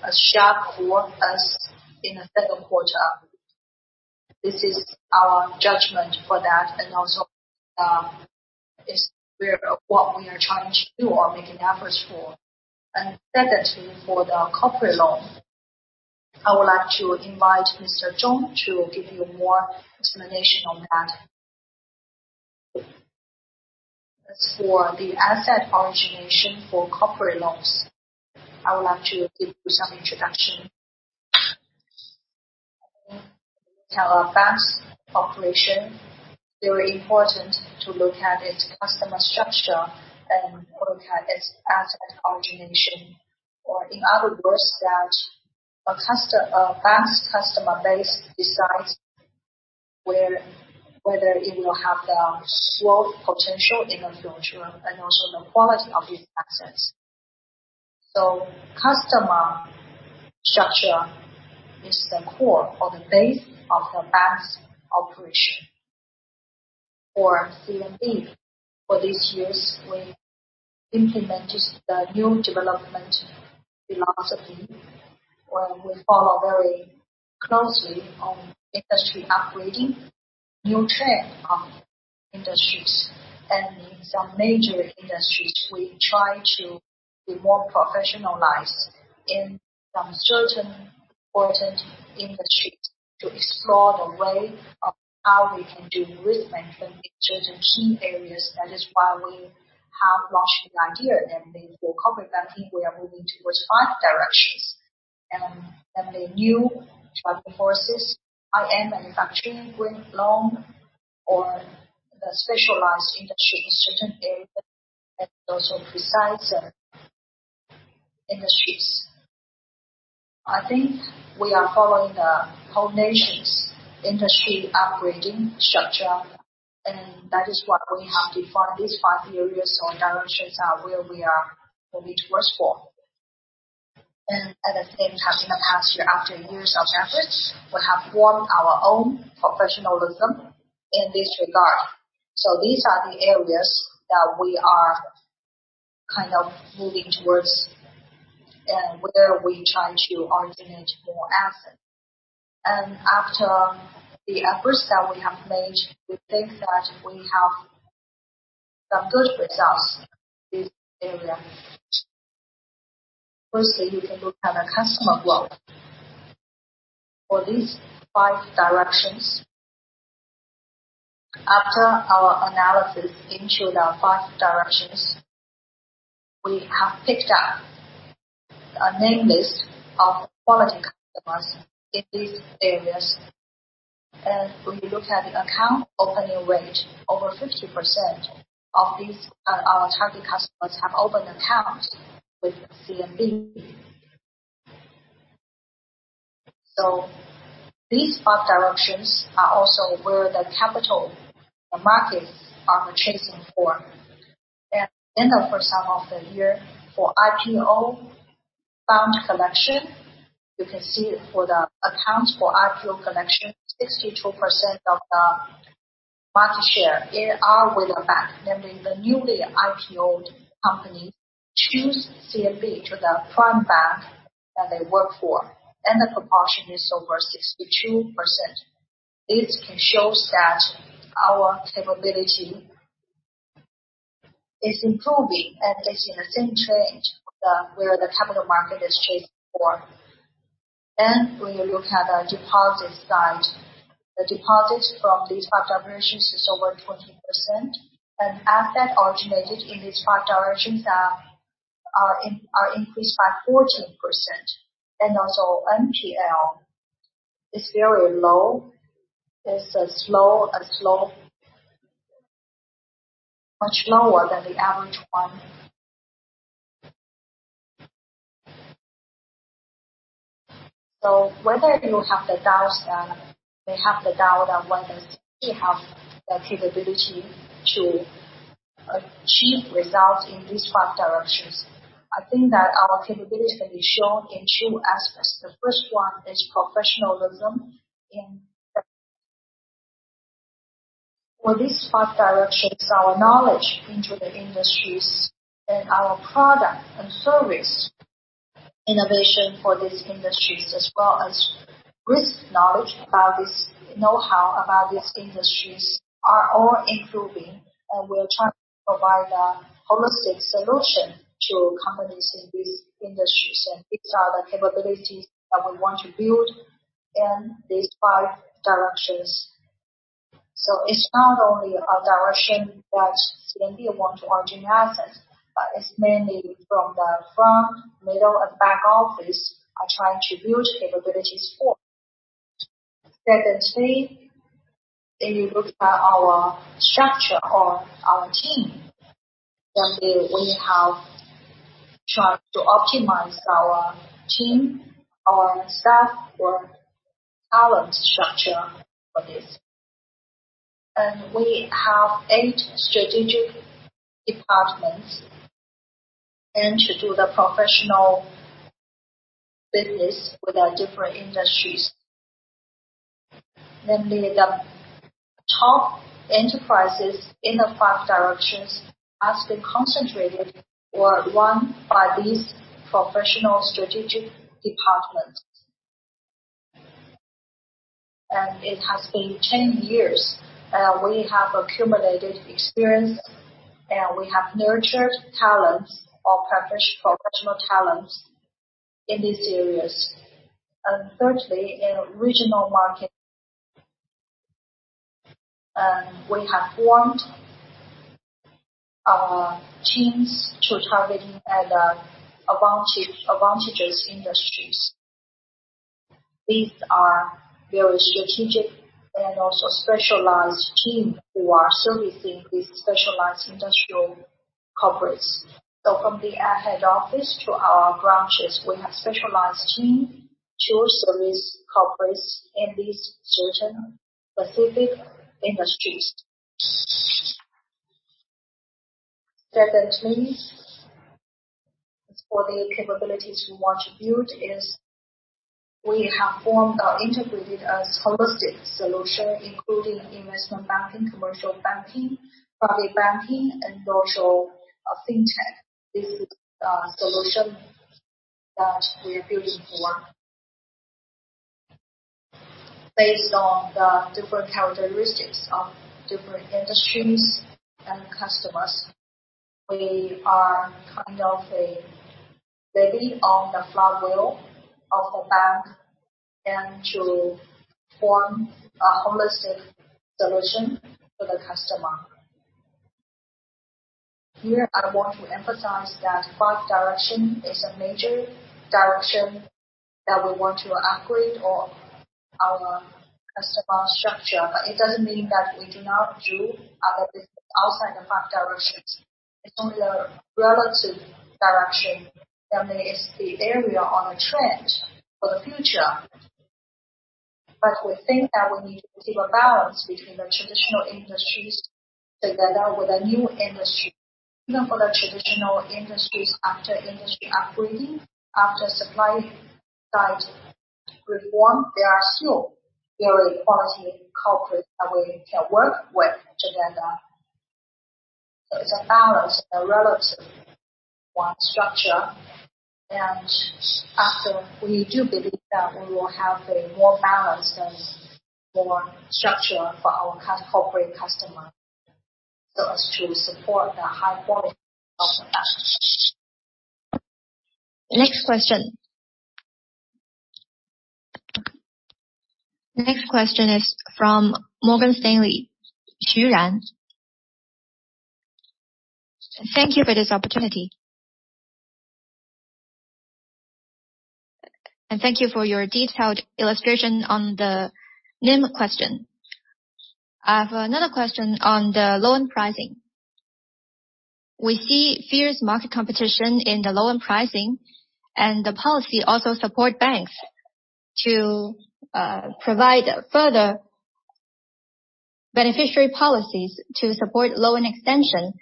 [SPEAKER 3] as sharp for us in the Q2. This is our judgment for that and also is where what we are trying to do or making efforts for. Secondly, for the corporate loan, I would like to invite Mr. Zhong to give you more explanation on that. As for the asset origination for corporate loans, I would like to give you some introduction. We have a vast operation. Very important to look at its customer structure and look at its asset origination. Or in other words, that a vast customer base decides whether it will have the growth potential in the future, and also the quality of its assets.
[SPEAKER 9] Customer structure is the core or the base of the bank's operation. For CMB, for these years, we implemented the new development philosophy, where we follow very closely on industry upgrading, new trend of industries. In some major industries, we try to be more professionalized in some certain important industries to explore the way of how we can do risk management in certain key areas. That is why we have launched the idea. For COVID-19, we are moving towards five directions and the new driving forces, intelligent manufacturing with loan or the specialized industry in certain areas, and also precise industries. I think we are following the whole nation's industry upgrading structure, and that is why we have defined these five areas or directions are where we are moving towards for.
[SPEAKER 3] At the same time, in the past year, after years of efforts, we have formed our own professionalism in this regard. These are the areas that we are kind of moving towards and where we try to originate more assets. After the efforts that we have made, we think that we have some good results in this area. Firstly, you can look at the customer growth. For these five directions, after our analysis into the five directions, we have picked up a name list of quality customers in these areas. When you look at the account opening rate, over 50% of these, our target customers have opened accounts with CMB. These five directions are also where the capital markets are chasing for. At the end of the first half of the year, for IPO fund collection, you can see for the accounts for IPO collection, 62% of the market share, they are with the bank, namely the newly IPO'd companies choose CMB to the prime bank that they work for. The proportion is over 62%. It can show that our capability is improving and is in the same trend with where the capital market is chasing for. When you look at the deposit side, the deposit from these five directions is over 20%. Assets originated in these five directions are increased by 14%. Also NPL is very low. It's as low as low. Much lower than the average one. Whether you have the doubts that May have the doubt on whether we have the capability to achieve results in these five directions. I think that our capabilities can be shown in two aspects. The first one is professionalism. For these five directions, our knowledge into the industries and our product and service innovation for these industries as well as know-how about these industries are all improving. We're trying to provide a holistic solution to companies in these industries. These are the capabilities that we want to build in these five directions. It's not only a direction that CMB want to originate assets, but it's mainly from the front, middle, and back office are trying to build capabilities for. Secondly, if you look at our structure of our team, then we have tried to optimize our team, our staff or talent structure for this. We have eight strategic departments, and to do the professional business with our different industries. Namely the top enterprises in the five directions has been concentrated or run by these professional strategic departments. It has been ten years, we have accumulated experience, and we have nurtured talents or professional talents in these areas. Thirdly, in regional market. We have formed our teams to targeting at the advantage, advantageous industries. These are very strategic and also specialized team who are servicing these specialized industrial corporates. From the head office to our branches, we have specialized team to service corporates in these certain specific industries. Secondly, as for the capabilities we want to build is we have formed or integrated a holistic solution, including investment banking, commercial banking, private banking and also, fintech. This is the solution that we are building for. Based on the different characteristics of different industries and customers. We are kind of a baby on the flywheel of a bank, and to form a holistic solution for the customer. Here I want to emphasize that five direction is a major direction that we want to upgrade of our customer structure. But it doesn't mean that we do not do other business outside the five directions. It's only the relative direction, namely it's the area on a trend for the future. But we think that we need to keep a balance between the traditional industries together with the new industry. Even for the traditional industries after industry upgrading, after supply side reform, they are still very quality corporates that we can work with together. So it's a balance, a relative one structure. We do believe that we will have a more balanced and more structured for our corporate customer, so as to support the high quality of the bank.
[SPEAKER 10] Next question is from Morgan Stanley, Ran Xu. Thank you for this opportunity. Thank you for your detailed illustration on the NIM question. I have another question on the loan pricing. We see fierce market competition in the loan pricing and the policy also support banks to provide further beneficiary policies to support loan extension.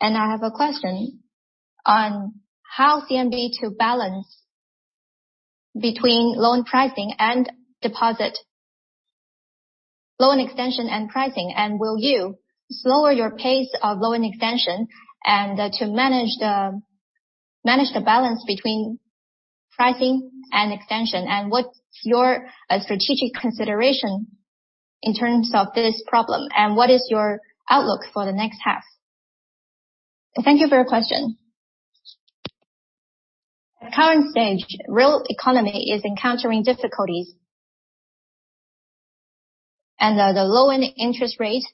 [SPEAKER 10] I have a question on how CMB to balance between loan pricing and loan extension and pricing, and will you slow your pace of loan extension and to manage the balance between pricing and extension, and what's your strategic consideration in terms of this problem, and what is your outlook for the next half?
[SPEAKER 3] Thank you for your question. At current stage, real economy is encountering difficulties. The loan interest rate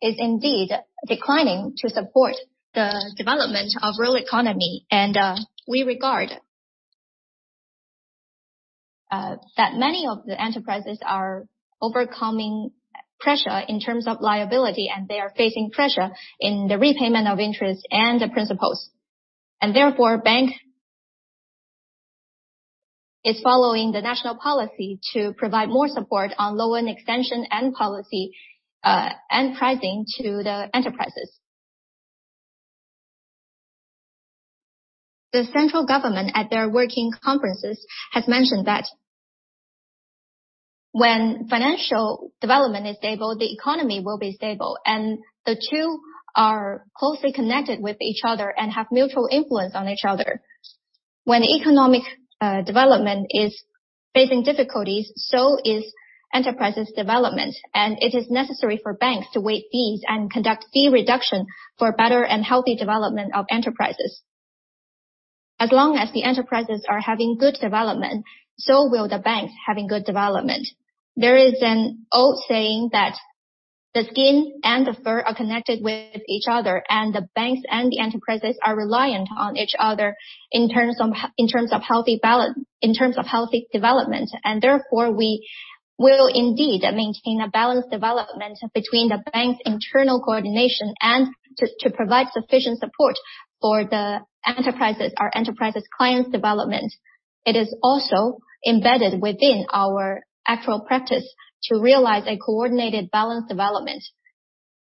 [SPEAKER 3] is indeed declining to support the development of real economy. We regard that many of the enterprises are overcoming pressure in terms of liability, and they are facing pressure in the repayment of interest and the principals. Therefore, bank is following the national policy to provide more support on loan extension and policy, and pricing to the enterprises. The central government at their working conferences has mentioned that when financial development is stable, the economy will be stable, and the two are closely connected with each other and have mutual influence on each other. When economic development is facing difficulties, so is enterprises development, and it is necessary for banks to waive fees and conduct fee reduction for better and healthy development of enterprises. As long as the enterprises are having good development, so will the banks having good development. There is an old saying that. The skin and the fur are connected with each other, and the banks and the enterprises are reliant on each other in terms of healthy development. Therefore, we will indeed maintain a balanced development between the bank's internal coordination and to provide sufficient support for the enterprises or enterprises clients development. It is also embedded within our actual practice to realize a coordinated balanced development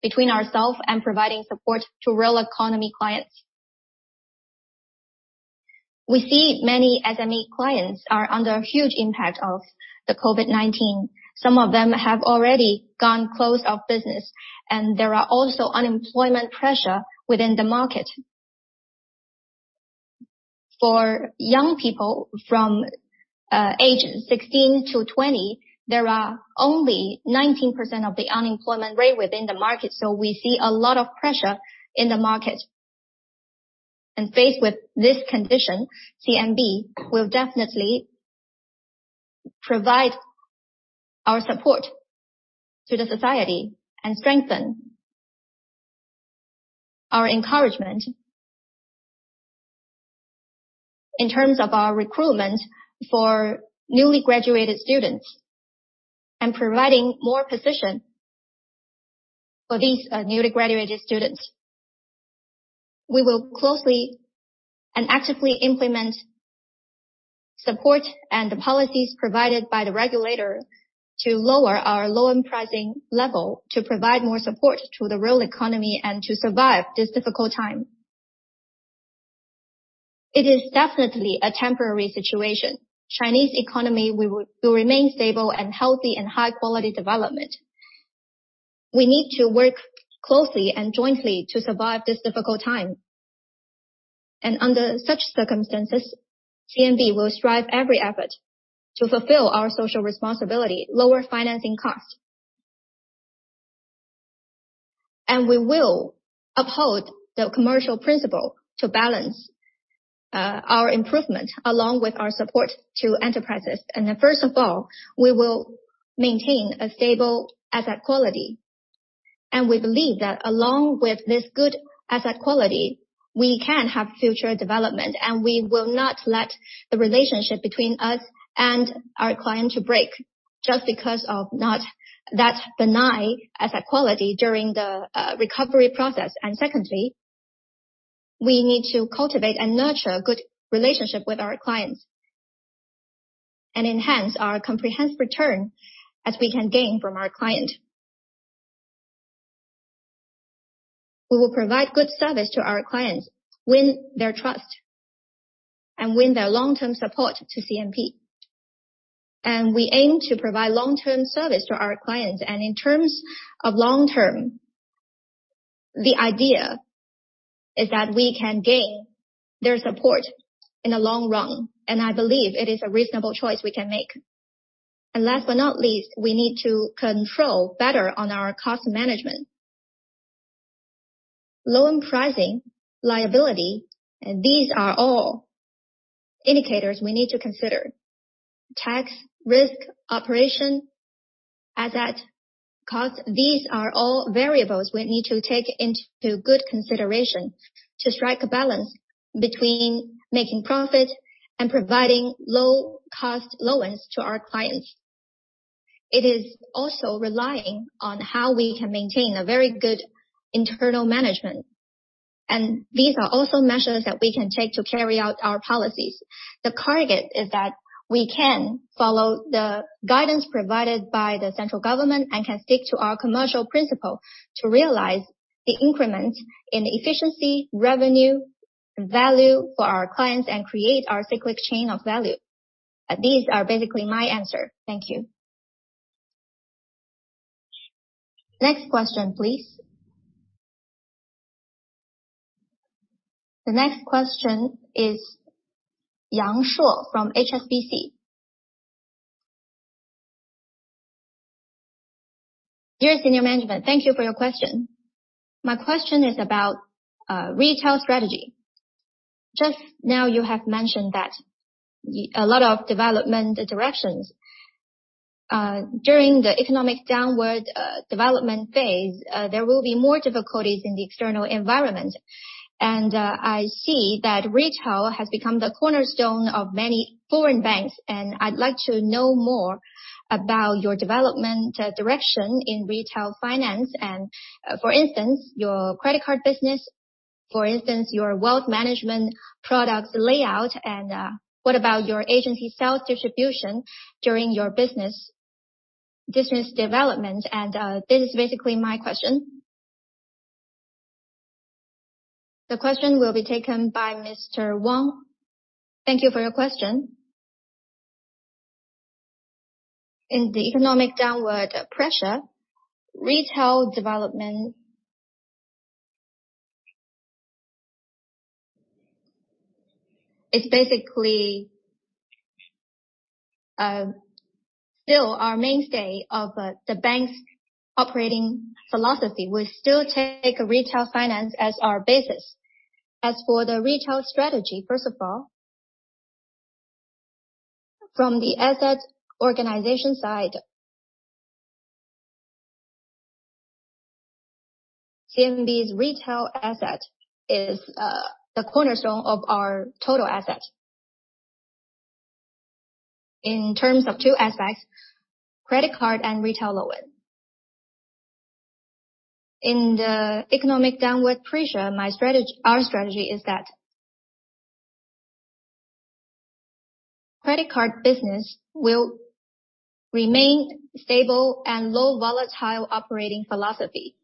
[SPEAKER 3] between ourselves and providing support to real economy clients. We see many SME clients are under huge impact of the COVID-19. Some of them have already gone out of business, and there are also unemployment pressure within the market. For young people from ages 16 to 20, there are only 19% of the unemployment rate within the market. We see a lot of pressure in the market.
[SPEAKER 1] Faced with this condition, CMB will definitely provide our support to the society and strengthen our encouragement in terms of our recruitment for newly graduated students and providing more position for these, newly graduated students. We will closely and actively implement support and the policies provided by the regulator to lower our loan pricing level, to provide more support to the real economy and to survive this difficult time. It is definitely a temporary situation. Chinese economy will remain stable and healthy and high quality development. We need to work closely and jointly to survive this difficult time. Under such circumstances, CMB will strive every effort to fulfill our social responsibility, lower financing costs. We will uphold the commercial principle to balance, our improvement along with our support to enterprises. First of all, we will maintain a stable asset quality. We believe that along with this good asset quality, we can have future development, and we will not let the relationship between us and our client to break just because of not that benign asset quality during the recovery process. Secondly, we need to cultivate and nurture good relationship with our clients and enhance our comprehensive return as we can gain from our client. We will provide good service to our clients, win their trust and win their long-term support to CMB. We aim to provide long-term service to our clients. In terms of long-term, the idea is that we can gain their support in the long run, and I believe it is a reasonable choice we can make. Last but not least, we need to control better on our cost management. Loan pricing, liability, these are all indicators we need to consider. Tax, risk, operation, asset, cost, these are all variables we need to take into good consideration to strike a balance between making profit and providing low cost loans to our clients. It is also relying on how we can maintain a very good internal management. These are also measures that we can take to carry out our policies. The target is that we can follow the guidance provided by the central government and can stick to our commercial principle to realize the increment in efficiency, revenue, value for our clients and create our cyclic chain of value. These are basically my answer. Thank you. Next question, please. The next question is Shuo Yang from HSBC. Dear senior management, thank you for your question. My question is about retail strategy. Just now you have mentioned that a lot of development directions.
[SPEAKER 11] During the economic downturn development phase, there will be more difficulties in the external environment. I see that retail has become the cornerstone of many foreign banks, and I'd like to know more about your development direction in retail finance and, for instance, your credit card business. For instance, your wealth management product layout and what about your agency sales distribution during your business development? This is basically my question. The question will be taken by Wang Ying. Thank you for your question. In the economic downward pressure, retail development is basically still our mainstay of the bank's operating philosophy. We still take retail finance as our basis. As for the retail strategy, first of all, from the asset organization side, CMB's retail asset is the cornerstone of our total asset.
[SPEAKER 4] In terms of two aspects, credit card and retail loan. In the economic downward pressure, our strategy is that credit card business will remain stable and low volatile operating philosophy.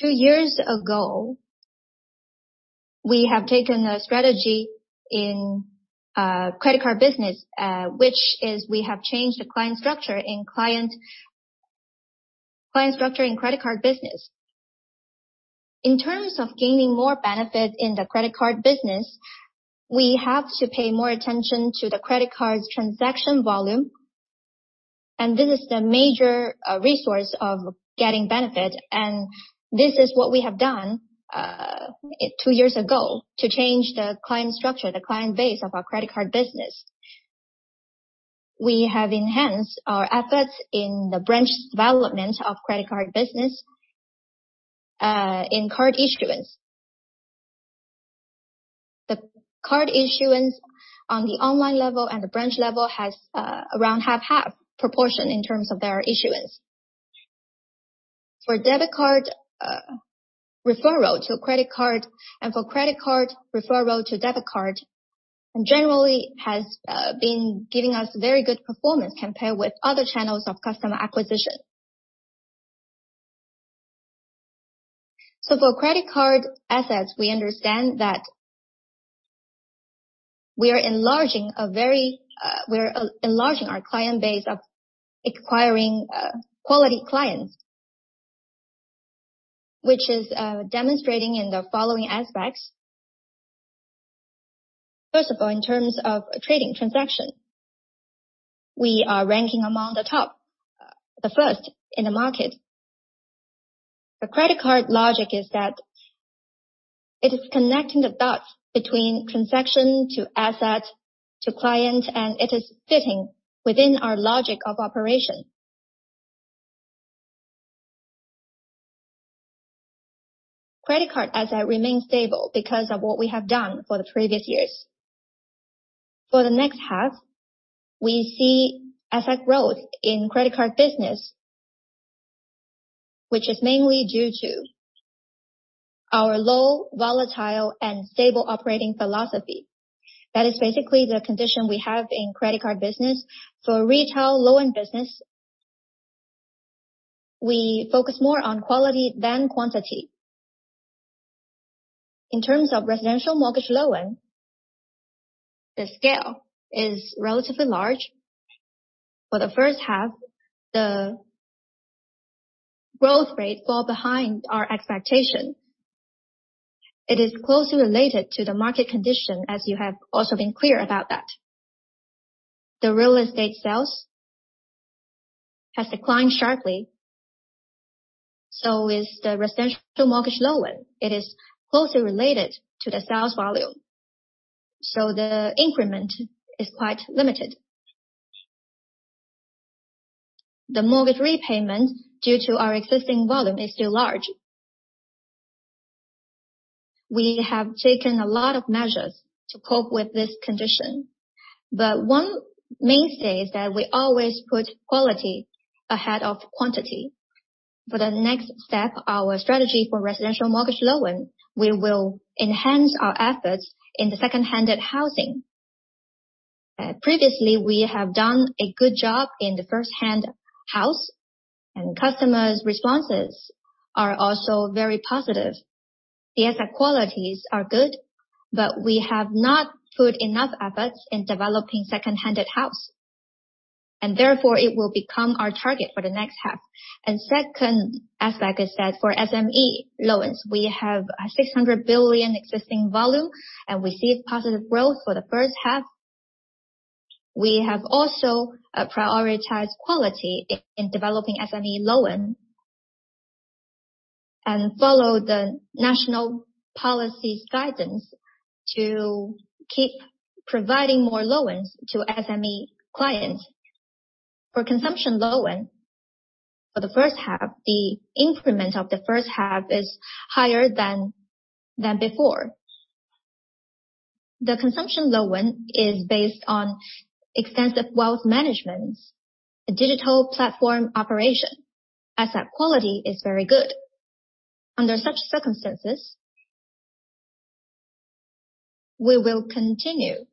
[SPEAKER 4] Two years ago, we have taken a strategy in credit card business, which is we have changed the client structure in credit card business. In terms of gaining more benefit in the credit card business, we have to pay more attention to the credit card's transaction volume, and this is the major resource of getting benefit. This is what we have done two years ago to change the client structure, the client base of our credit card business. We have enhanced our efforts in the branch development of credit card business in card issuance.
[SPEAKER 1] The card issuance on the online level and the branch level has around half-half proportion in terms of their issuance. For debit card referral to credit card and for credit card referral to debit card generally has been giving us very good performance compared with other channels of customer acquisition. For credit card assets, we understand that we are enlarging our client base of acquiring quality clients, which is demonstrating in the following aspects. First of all, in terms of trading transaction, we are ranking among the top, the first in the market. The credit card logic is that it is connecting the dots between transaction to asset to client, and it is fitting within our logic of operation. Credit card asset remains stable because of what we have done for the previous years. For the next half, we see asset growth in credit card business, which is mainly due to our low volatile and stable operating philosophy. That is basically the condition we have in credit card business. For retail loan business, we focus more on quality than quantity. In terms of residential mortgage loan, the scale is relatively large. For the first half, the growth rate fall behind our expectation. It is closely related to the market condition, as you have also been clear about that. The real estate sales has declined sharply, so is the residential mortgage loan. It is closely related to the sales volume, so the increment is quite limited. The mortgage repayment due to our existing volume is still large. We have taken a lot of measures to cope with this condition, but one main thing is that we always put quality ahead of quantity. For the next step, our strategy for residential mortgage loan, we will enhance our efforts in the second-hand housing. Previously, we have done a good job in the first-hand house, and customer responses are also very positive. The asset qualities are good, but we have not put enough efforts in developing second-hand house and therefore it will become our target for the next half. Second, as I said, for SME loans, we have 600 billion existing volume and we see positive growth for the first half. We have also prioritized quality in developing SME loan and follow the national policy guidance to keep providing more loans to SME clients. For consumption loan, for the first half, the increment of the first half is higher than before. The consumption loan is based on extensive wealth management, digital platform operation. Asset quality is very good. Under such circumstances, we will continue.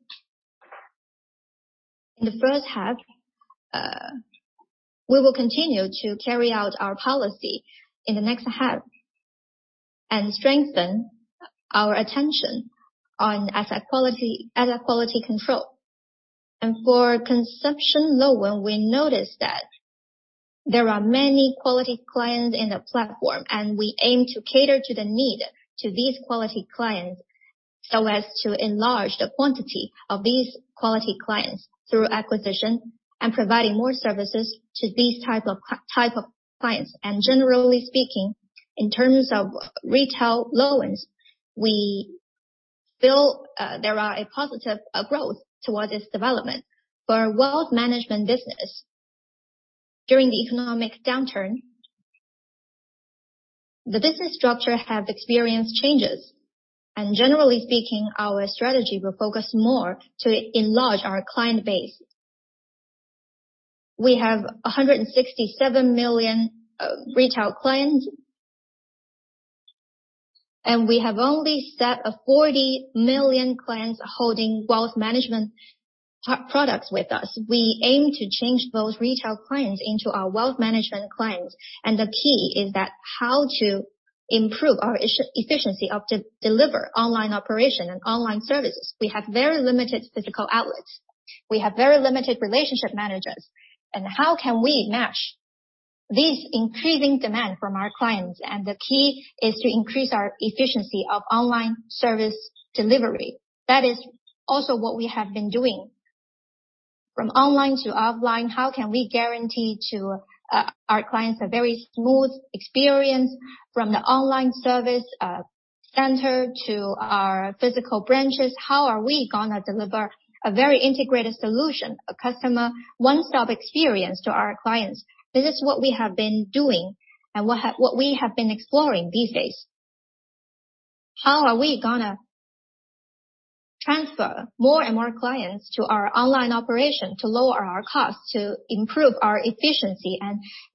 [SPEAKER 1] In the first half, we will continue to carry out our policy in the next half and strengthen our attention on asset quality, asset quality control. For consumer loan, we noticed that there are many quality clients in the platform, and we aim to cater to the needs of these quality clients so as to enlarge the quantity of these quality clients through acquisition and providing more services to these type of clients. Generally speaking, in terms of retail loans, we feel there is positive growth towards this development. For wealth management business, during the economic downturn, the business structure has experienced changes. Generally speaking, our strategy will focus more to enlarge our client base. We have 167 million retail clients. We have only a set of 40 million clients holding wealth management products with us. We aim to change those retail clients into our wealth management clients. The key is that how to improve our efficiency of delivering online operations and online services. We have very limited physical outlets. We have very limited relationship managers. How can we match these increasing demand from our clients? The key is to increase our efficiency of online service delivery. That is also what we have been doing. From online to offline, how can we guarantee to our clients a very smooth experience from the online service center to our physical branches? How are we going to deliver a very integrated solution, a customer one-stop experience to our clients? This is what we have been doing and what we have been exploring these days. How are we going to transfer more and more clients to our online operation to lower our costs, to improve our efficiency?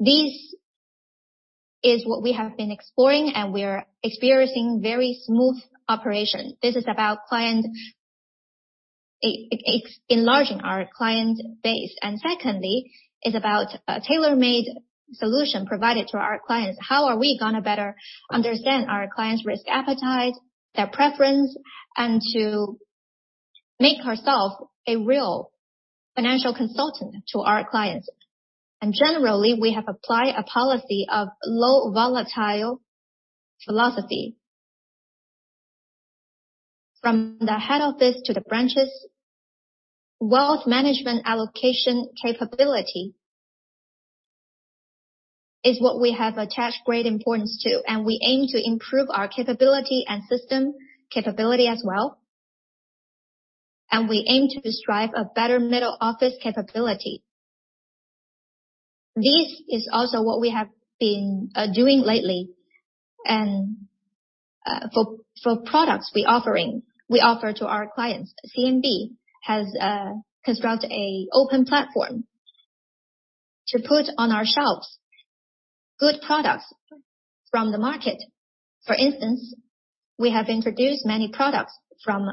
[SPEAKER 1] This is what we have been exploring, and we are experiencing very smooth operation. This is about enlarging our client base. Secondly, it's about a tailor-made solution provided to our clients. How are we going to better understand our clients' risk appetite, their preference, and to make ourself a real financial consultant to our clients? Generally, we have applied a policy of low volatility philosophy. From the head office to the branches, wealth management allocation capability is what we have attached great importance to, and we aim to improve our capability and system capability as well. We aim to strive a better middle office capability. This is also what we have been doing lately. For products we offering. We offer to our clients. CMB has constructed an open platform to put on our shelves good products from the market. For instance, we have introduced many products from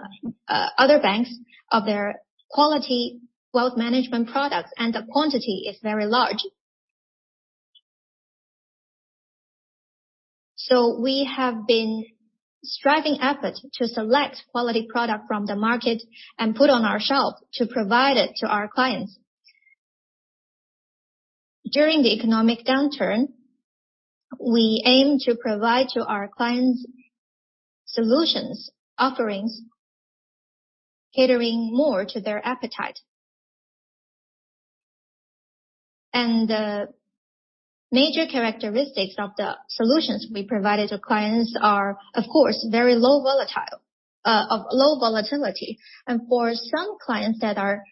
[SPEAKER 1] other banks of their quality wealth management products, and the quantity is very large. We have been striving efforts to select quality product from the market and put on our shelf to provide it to our clients. During the economic downturn, we aim to provide to our clients solutions, offerings, catering more to their appetite. Major characteristics of the solutions we provide to clients are, of course, very low volatility. For some clients that are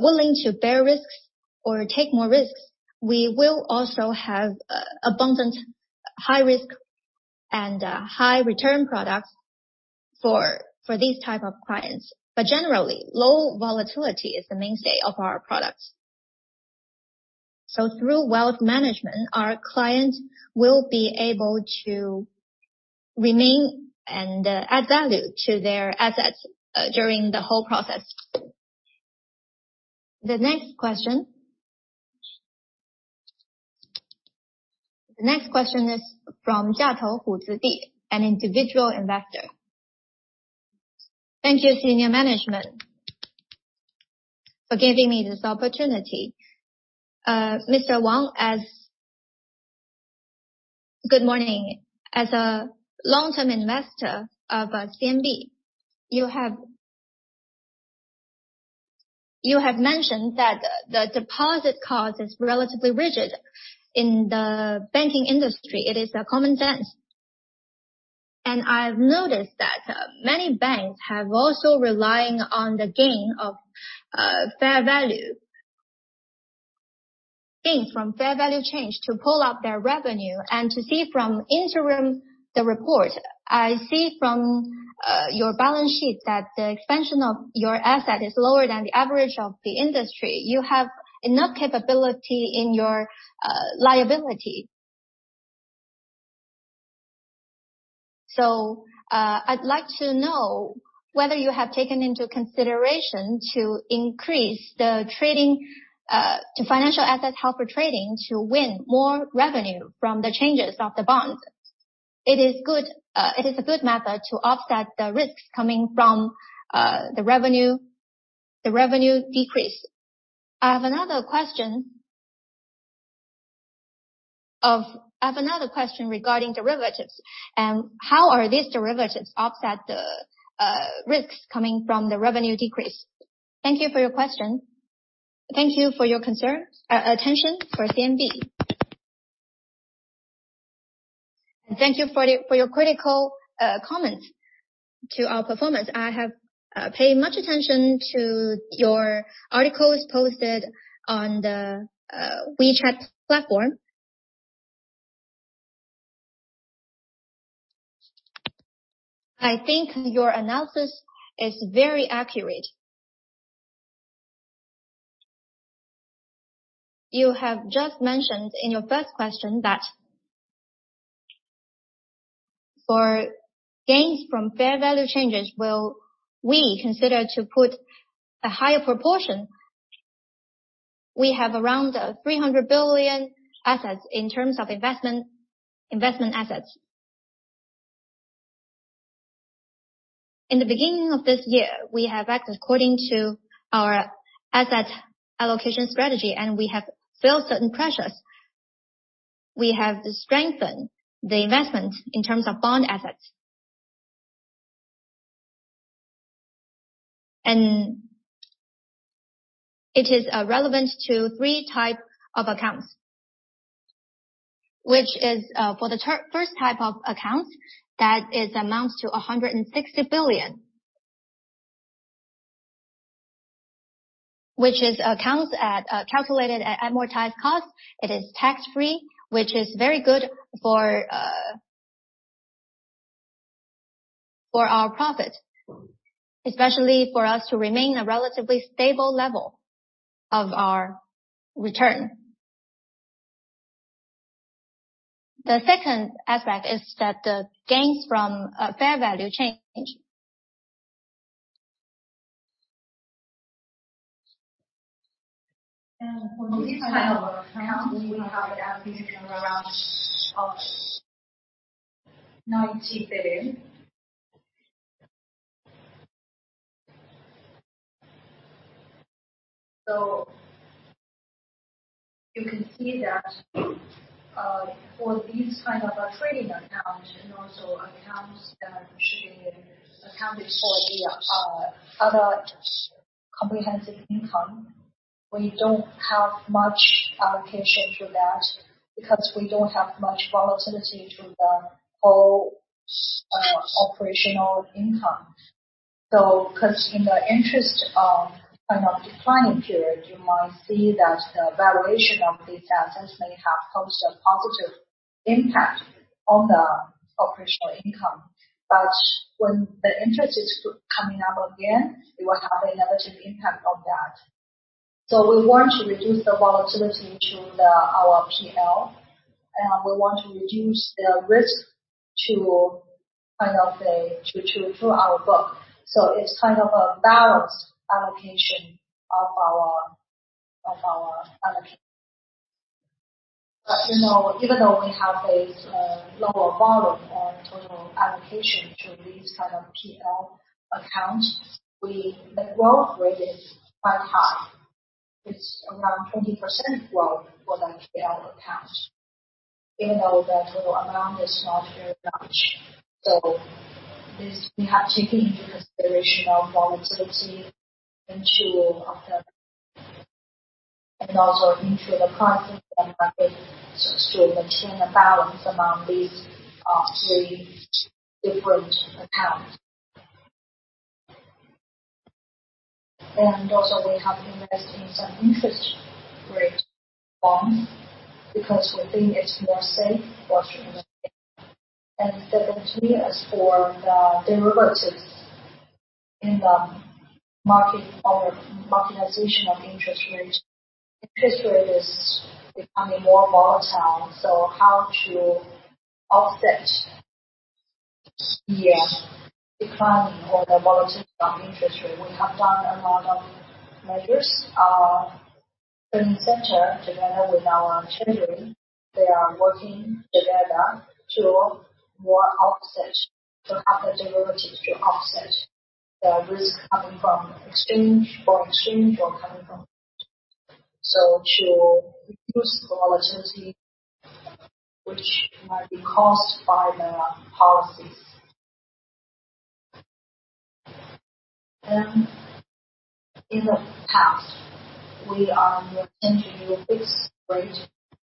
[SPEAKER 1] willing to bear risks or take more risks, we will also have abundant high risk and high return products for these type of clients. Generally, low volatility is the mainstay of our products. Through wealth management, our client will be able to remain and add value to their assets during the whole process. The next question is from Jatou Putiti, an individual investor. Thank you, senior management, for giving me this opportunity. Mr. Wang, good morning. As a long-term investor of CMB, you have mentioned that the deposit cost is relatively rigid in the banking industry. It is common sense. I've noticed that many banks have also relying on the gain of fair value gains from fair value change to pull up their revenue. From the interim report, I see from your balance sheet that the expansion of your asset is lower than the average of the industry. You have enough capability in your liability. I'd like to know whether you have taken into consideration to increase the trading to financial assets held for trading to win more revenue from the changes of the bond. It is good, it is a good method to offset the risks coming from the revenue decrease. I have another question regarding derivatives and how are these derivatives offset the risks coming from the revenue decrease? Thank you for your question.
[SPEAKER 3] Thank you for your concern, attention for CMB. Thank you for your critical comment to our performance. I have paid much attention to your articles posted on the WeChat platform. I think your analysis is very accurate. You have just mentioned in your first question that for gains from fair value changes, will we consider to put a higher proportion? We have around 300 billion assets in terms of investment assets. In the beginning of this year, we have acted according to our asset allocation strategy, and we have felt certain pressures. We have strengthened the investment in terms of bond assets. It is relevant to three types of accounts. Which is for the first type of accounts, that amounts to 160 billion. Which is accounts calculated at amortized costs. It is tax-free, which is very good for our profit, especially for us to remain a relatively stable level of our return. The second aspect is that the gains from fair value change. For this type of account, we have an allocation of around CNY 90 billion. You can see that for these kind of trading account and also accounts that should be accounted for the other comprehensive income, we don't have much allocation to that because we don't have much volatility to the whole operational income. 'Cause in the interest rate kind of declining period, you might see that the valuation of these assets may have caused a positive impact on the operational income. When the interest is coming up again, it will have a negative impact on that. We want to reduce the volatility to our P&L, and we want to reduce the risk to kind of a to our book. It's kind of a balanced allocation of our allocation. You know, even though we have a lower bottom and total allocation to these kind of P&L accounts, the growth rate is quite high. It's around 20% growth for that P&L account, even though the total amount is not very much. We have taken into consideration of volatility into account, and also into the current market so as to maintain a balance among these three different accounts. We have invested in some interest rate bonds because we think it's more safe for China. As for the derivatives in the market or marketization of interest rates, interest rate is becoming more volatile, so how to offset the decline or the volatility from interest rate. We have done a lot of measures. Trading center together with our treasury, they are working together to more offset, to have the derivatives to offset the risk coming from exchange, from exchange or coming from. So to reduce the volatility which might be caused by the policies. In the past, we are looking to use fixed rate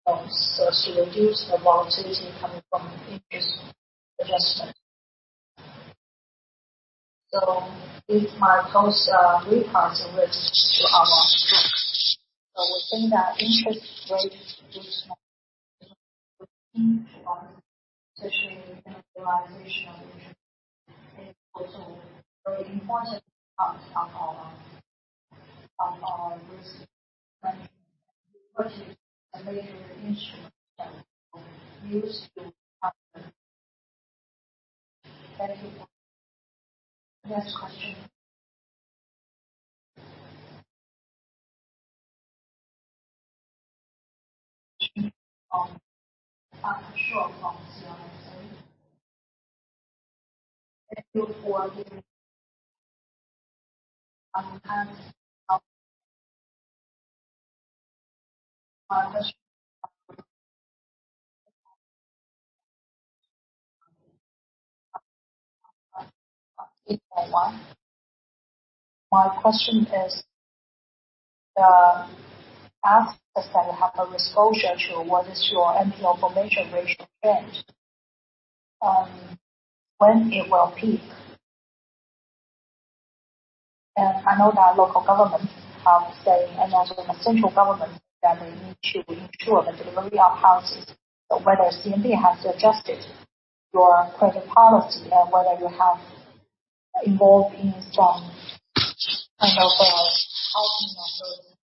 [SPEAKER 3] bonds so as to reduce the volatility coming from interest adjustment. So it might cause repricing risk to our bonds. So we think that interest rate risk especially in the realization of interest is also very important part of our risk management related instrument that we use to cover. Next question. My question is, the assets that have the exposure to what is your NPL formation ratio trend, when it will peak? I know that local government say, and also the central government, that they need to ensure the delivery of houses. Whether CMB has adjusted your credit policy and whether you have involved in some kind of helping of the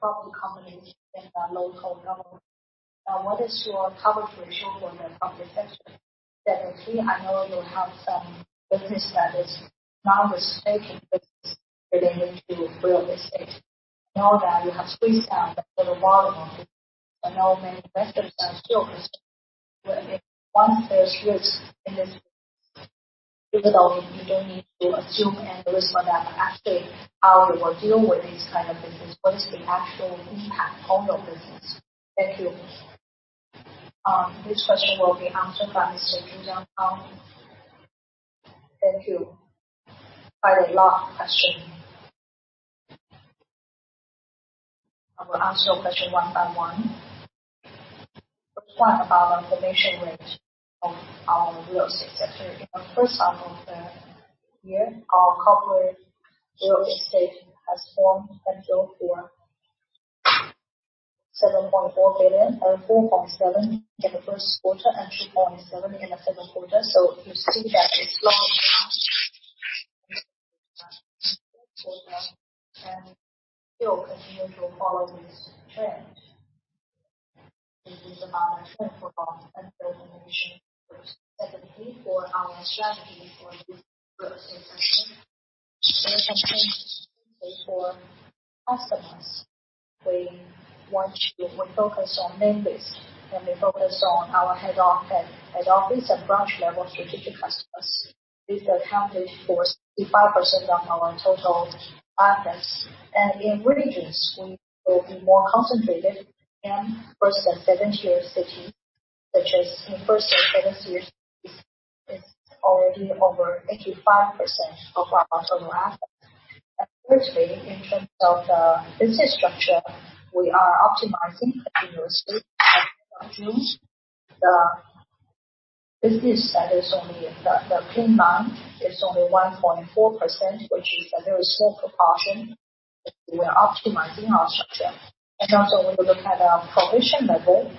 [SPEAKER 3] property company in the local level. What is your coverage ratio for the property sector? Secondly, I know you have some business that is non-recourse business related to real estate. I know that you have squeezed down the total volume. I know many investors are still concerned.
[SPEAKER 8] If one face risk in this business, even though you don't need to assume any risk for that, but actually how you will deal with this kind of business? What is the actual impact on your business? Thank you. This question will be answered by Mr. Zhu Jiangtao. Thank you. Quite a lot of questioning. I will answer your question one by one. First one about the formation rate of our real estate sector. In the first half of the year, our corporate real estate has formed potential for 7.4 billion or 4.7 in the Q1 and 2.7 in the Q2. So you see that it's low and still continue to follow this trend. This is about the trend for our asset formation. Secondly, for our strategy for this real estate section.
[SPEAKER 3] For customers, we focus on main base, and we focus on our head office and branch level strategic customers. These accounted for 65% of our total finance. In regions, we will be more concentrated in first and second tier city, such as in first and second tier cities, it's already over 85% of our total asset. Thirdly, in terms of the business structure, we are optimizing continuously. As of June, the business that is only in the green line is only 1.4%, which is a very small proportion. We are optimizing our structure. Also when you look at our provision level,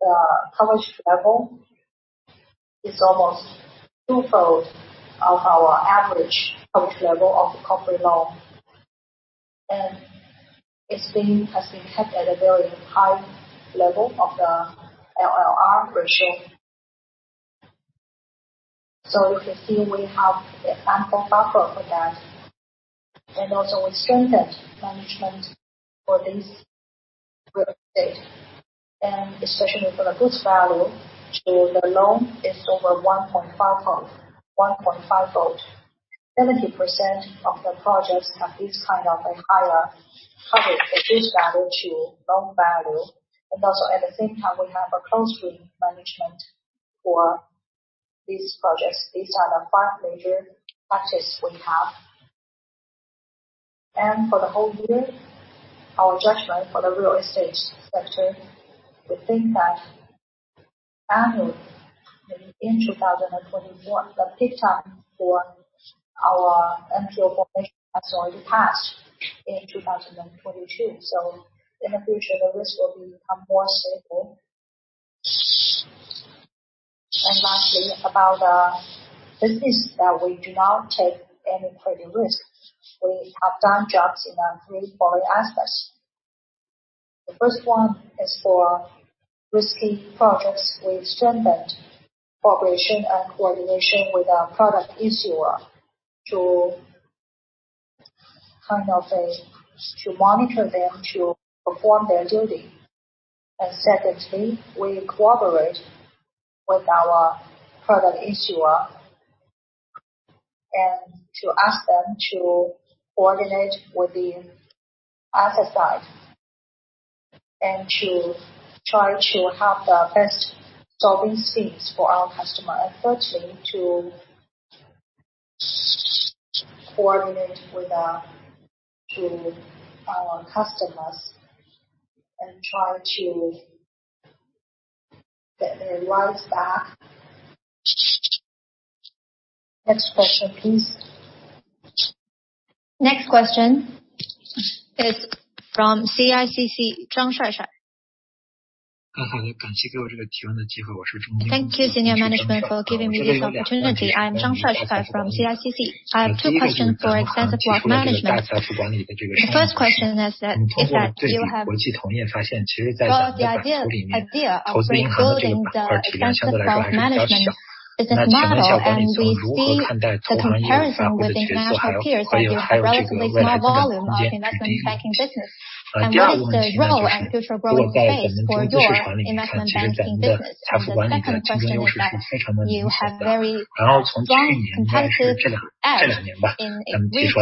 [SPEAKER 3] the coverage level is almost twofold of our average coverage level of the corporate loan. It has been kept at a very high level of the LLR ratio. You can see we have the ample buffer for that. We strengthened management for this real estate. Especially for the collateral value to the loan is over 1.5 fold. 70% of the projects have this kind of a higher coverage. ' The collateral value to loan value. Also at the same time, we have a close rate management for these projects. These are the 5 major practices we have. For the whole year, our judgment for the real estate sector, we think that in 2021, the peak time for our NP formation has already passed in 2022. In the future, the risk will become more stable. Lastly, about the business that we do not take any credit risk. We have done jobs in the three following aspects. The first one is for risky projects. We strengthened cooperation and coordination with our product issuer to monitor them to perform their duty. Secondly, we cooperate with our product issuer and to ask them to coordinate with the other side, and to try to have the best solving schemes for our customer. Thirdly, to coordinate with our customers and try to get their loans back. Next question, please. Next question is from CICC, Judy Zhang.
[SPEAKER 12] Thank you, senior management, for giving me this opportunity. I am Judy Zhang from CICC. I have two questions for extensive wealth management. The first question is that you have. Well, the idea of rebuilding the extensive wealth management is admirable, and we see the comparison with international peers that you have relatively small volume of investment banking business. What is the role and future growth you face for your investment banking business? The second question is that you have very strong incentives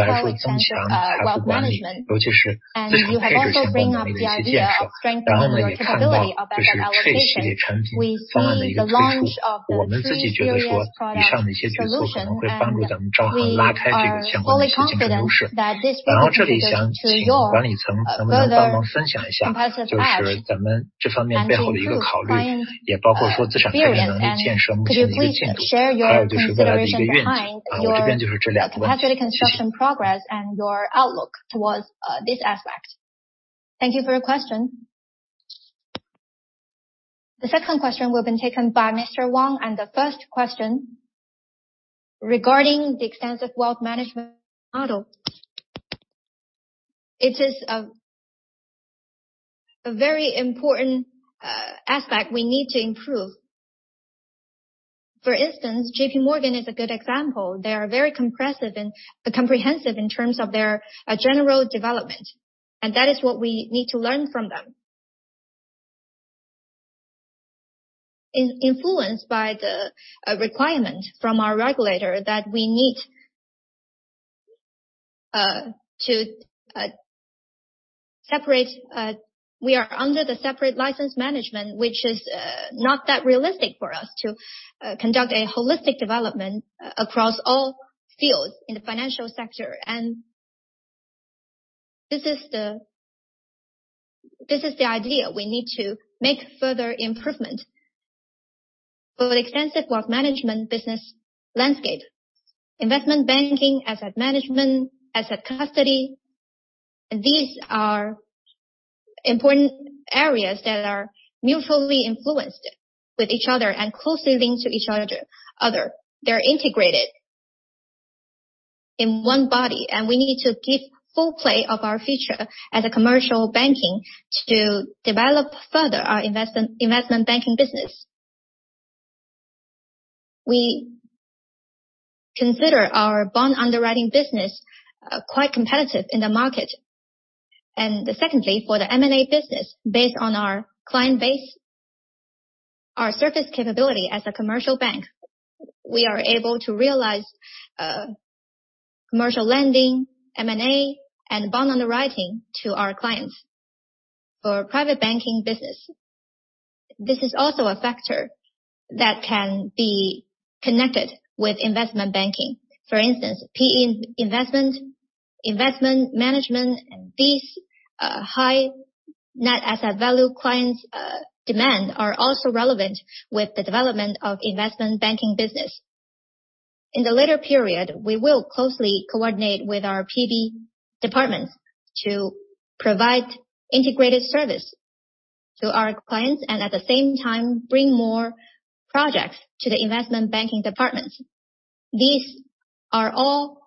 [SPEAKER 3] You have also brought up the idea of strengthening the capability of asset allocation. We see the launch of three series product solutions, and we are fully confident that this will contribute to your further competitive edge and to improve client experience. Could you please share your consideration behind your capacity construction progress and your outlook towards this aspect? Thank you for your question. The second question will be taken by Mr. Wang. The first question regarding the extensive wealth management model. It is a very important aspect we need to improve. For instance, J.P. Morgan is a good example. They are very comprehensive in terms of their general development, and that is what we need to learn from them. Influenced by the requirement from our regulator that we need to separate.
[SPEAKER 1] We are under the separate license management, which is not that realistic for us to conduct a holistic development across all fields in the financial sector. This is the idea. We need to make further improvement for the extensive wealth management business landscape. Investment banking, asset management, asset custody. These are important areas that are mutually influenced with each other and closely linked to each other. They're integrated in one body, and we need to give full play of our feature as a commercial bank to develop further our investment banking business. We consider our bond underwriting business quite competitive in the market. Secondly, for the M&A business, based on our client base, our service capability as a commercial bank, we are able to realize commercial lending, M&A, and bond underwriting to our clients. For private banking business, this is also a factor that can be connected with investment banking. For instance, PE investment management, and these, high-net-worth clients, demand are also relevant with the development of investment banking business. In the later period, we will closely coordinate with our PB departments to provide integrated service to our clients and at the same time bring more projects to the investment banking departments. These are all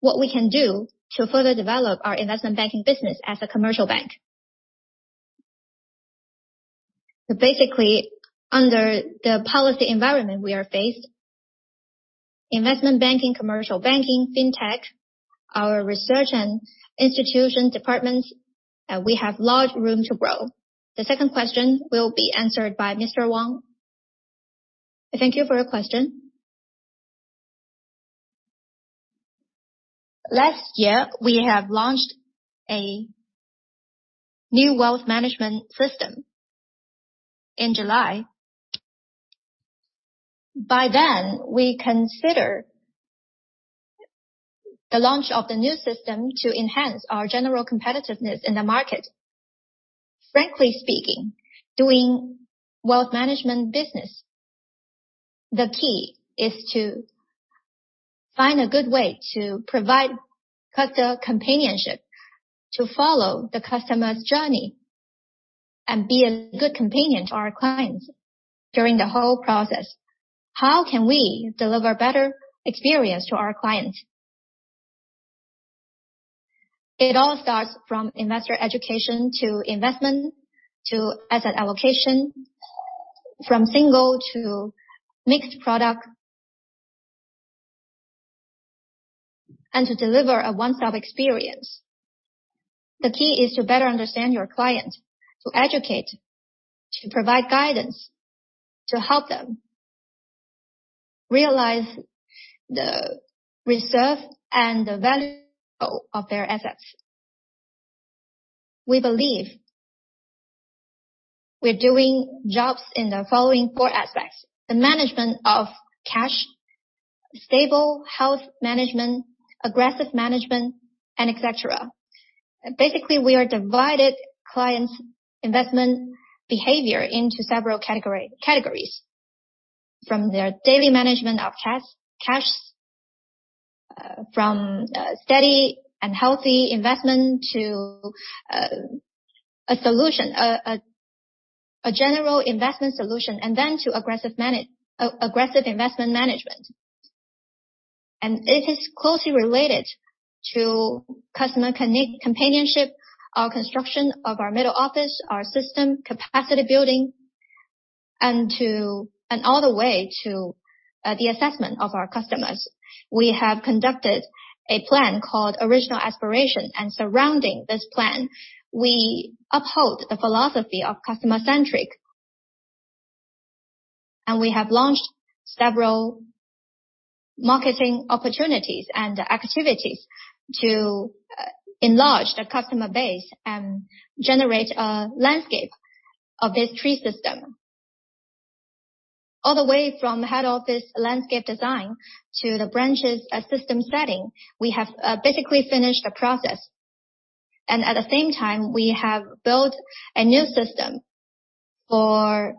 [SPEAKER 1] what we can do to further develop our investment banking business as a commercial bank. Basically, under the policy environment we are faced, investment banking, commercial banking, fintech, our research and institutional departments, we have large room to grow. The second question will be answered by Mr. Wang. Thank you for your question. Last year, we have launched a new wealth management system in July.
[SPEAKER 4] By then, we consider the launch of the new system to enhance our general competitiveness in the market. Frankly speaking, doing wealth management business, the key is to find a good way to provide customer companionship, to follow the customer's journey and be a good companion to our clients during the whole process. How can we deliver better experience to our clients? It all starts from investor education to investment, to asset allocation, from single to mixed product, and to deliver a one-stop experience. The key is to better understand your client, to educate, to provide guidance, to help them realize the reserve and the value of their assets. We believe we're doing well in the following four aspects. The management of cash, stable wealth management, aggressive management, and et cetera.
[SPEAKER 1] Basically, we divide clients' investment behavior into several categories, from their daily management of cash, from steady and healthy investment to a general investment solution, and then to aggressive investment management. It is closely related to customer companionship, our construction of our middle office, our system capacity building, and all the way to the assessment of our customers. We have conducted a plan called Original Aspiration. Surrounding this plan, we uphold a philosophy of customer-centric. We have launched several marketing opportunities and activities to enlarge the customer base and generate a landscape of this tree system. All the way from the head office landscape design to the branches system setting, we have basically finished a process. At the same time, we have built a new system for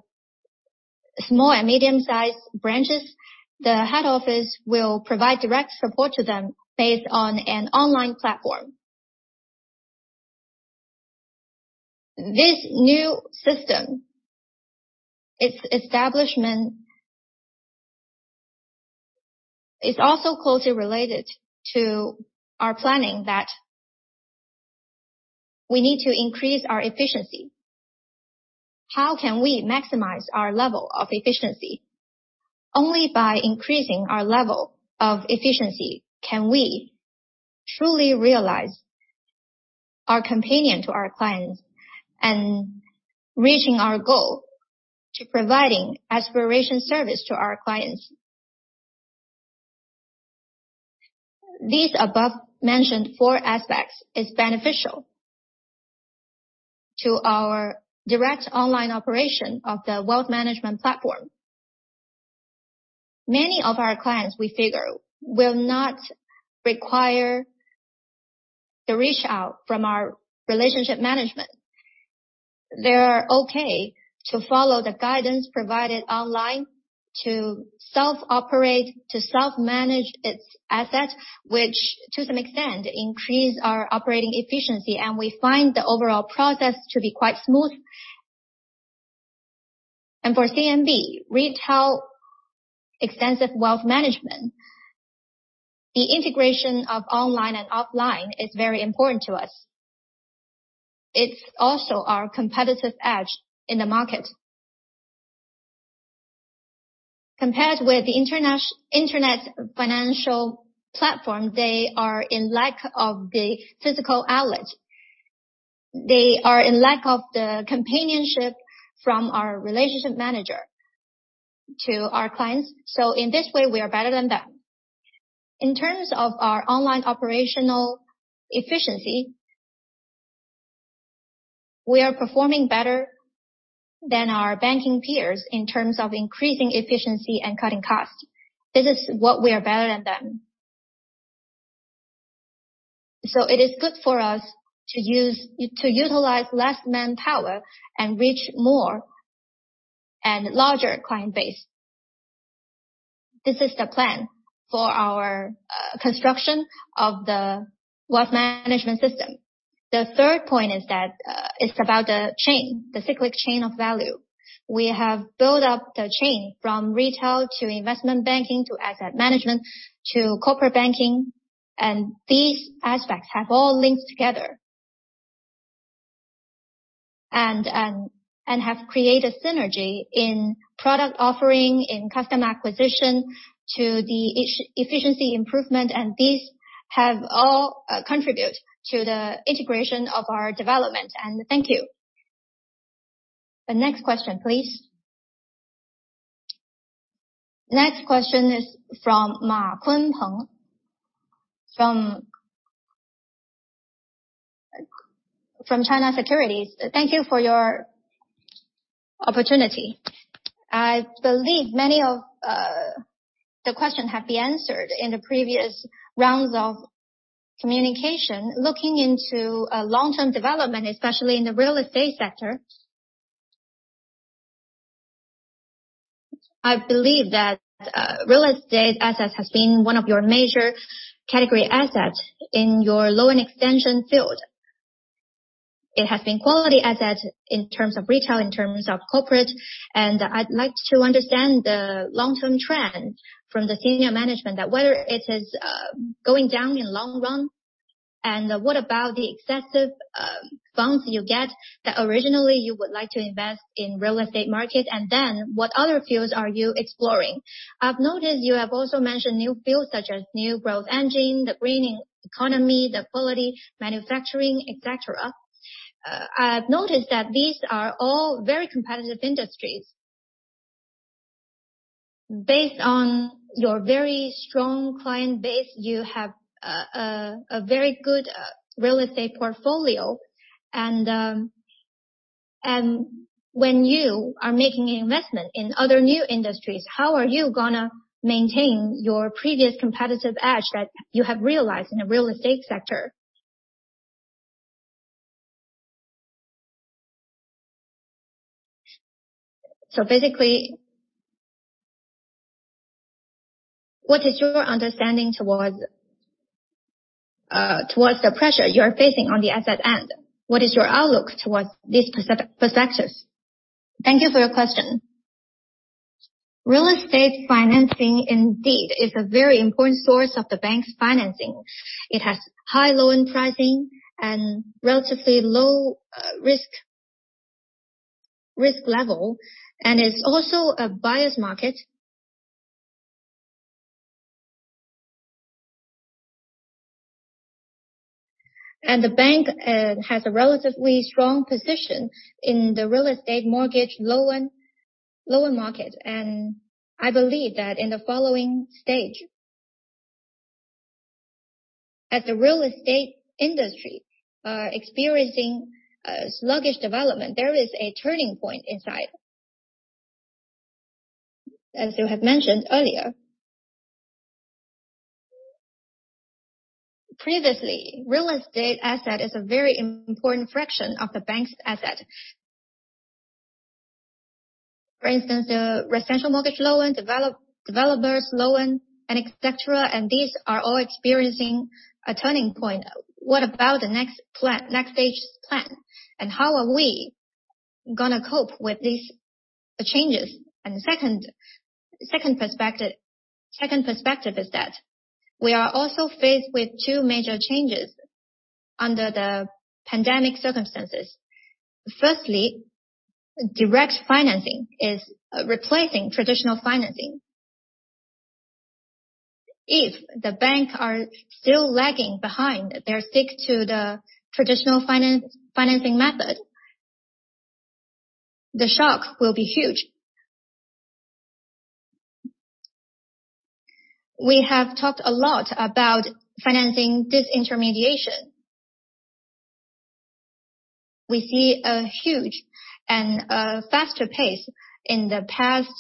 [SPEAKER 1] small and medium-sized branches. The head office will provide direct support to them based on an online platform. This new system, its establishment is also closely related to our planning that we need to increase our efficiency. How can we maximize our level of efficiency? Only by increasing our level of efficiency can we truly realize our commitment to our clients and reaching our goal to providing aspirational service to our clients. The above-mentioned four aspects is beneficial to our direct online operation of the wealth management platform. Many of our clients, we figure, will not require the outreach from our relationship management. They're okay to follow the guidance provided online to self-operate, to self-manage its asset, which to some extent increase our operating efficiency, and we find the overall process to be quite smooth. For CMB retail extensive wealth management, the integration of online and offline is very important to us. It's also our competitive edge in the market. Compared with the internet financial platform, they are in lack of the physical outlet. They are in lack of the companionship from our relationship manager to our clients. In this way, we are better than them. In terms of our online operational efficiency, we are performing better than our banking peers in terms of increasing efficiency and cutting costs. This is what we are better than them. It is good for us to utilize less manpower and reach more and larger client base. This is the plan for our construction of the wealth management system. The third point is that, it's about the chain, the cyclic chain of value. We have built up the chain from retail to investment banking, to asset management, to corporate banking, and these aspects have all linked together and have created synergy in product offering, in customer acquisition to the efficiency improvement, and these have all contribute to the integration of our development. Thank you. The next question, please. Next question is from Kunpeng Ma from China Securities. Thank you for your opportunity. I believe many of the question have been answered in the previous rounds of communication. Looking into long-term development, especially in the real estate sector. I believe that real estate assets has been one of your major category asset in your loan extension field.
[SPEAKER 13] It has been quality asset in terms of retail, in terms of corporate, and I'd like to understand the long-term trend from the senior management that whether it is going down in long run, and what about the excessive bonds you get that originally you would like to invest in real estate market, and then what other fields are you exploring? I've noticed you have also mentioned new fields such as new growth engine, the green economy, the quality manufacturing, et cetera. I've noticed that these are all very competitive industries. Based on your very strong client base, you have a very good real estate portfolio. When you are making investment in other new industries, how are you going to maintain your previous competitive edge that you have realized in the real estate sector?
[SPEAKER 3] Basically, what is your understanding towards the pressure you are facing on the asset end? What is your outlook towards these pressures? Thank you for your question. Real estate financing indeed is a very important source of the bank's financing. It has high loan pricing and relatively low risk level, and is also a buyer's market. The bank has a relatively strong position in the real estate mortgage loan market. I believe that in the following stage, as the real estate industry are experiencing a sluggish development, there is a turning point in sight. As you have mentioned earlier. Previously, real estate asset is a very important fraction of the bank's asset. For instance, the residential mortgage loan, developer's loan, and et cetera, and these are all experiencing a turning point.
[SPEAKER 1] What about the next stage plan, and how are we going to cope with these changes? The second perspective is that we are also faced with two major changes under the pandemic circumstances. Firstly, direct financing is replacing traditional financing. If the bank are still lagging behind, they stick to the traditional financing method, the shock will be huge. We have talked a lot about financing disintermediation. We see a huge and a faster pace in the past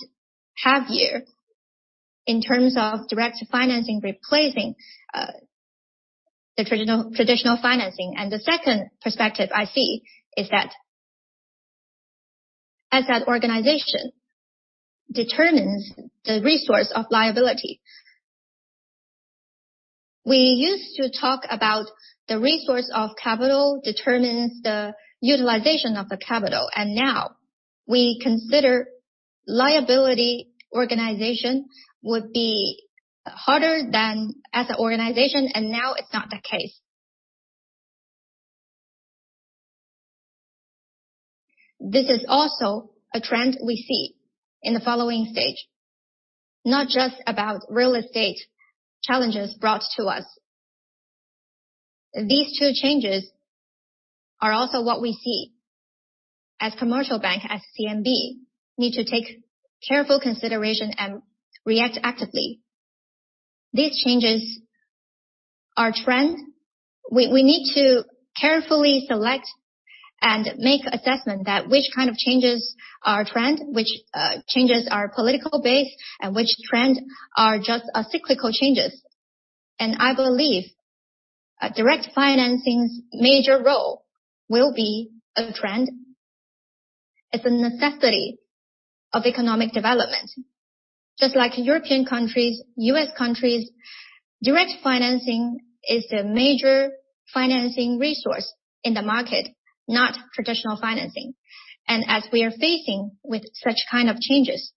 [SPEAKER 1] half year in terms of direct financing replacing the traditional financing. The second perspective I see is that asset organization determines the resource of liability. We used to talk about the resource of capital determines the utilization of the capital, and now we consider liability organization would be harder than asset organization, and now it's not the case. This is also a trend we see in the following stage, not just about real estate challenges brought to us. These two changes are also what we see as commercial bank, as CMB, need to take careful consideration and react actively. These changes are trend. We need to carefully select and make assessment that which kind of changes are trend, which changes are policy-based, and which trend are just cyclical changes. I believe a direct financing's major role will be a trend. It's a necessity of economic development. Just like European countries, U.S. countries, direct financing is the major financing resource in the market, not traditional financing. As we are facing with such kind of changes,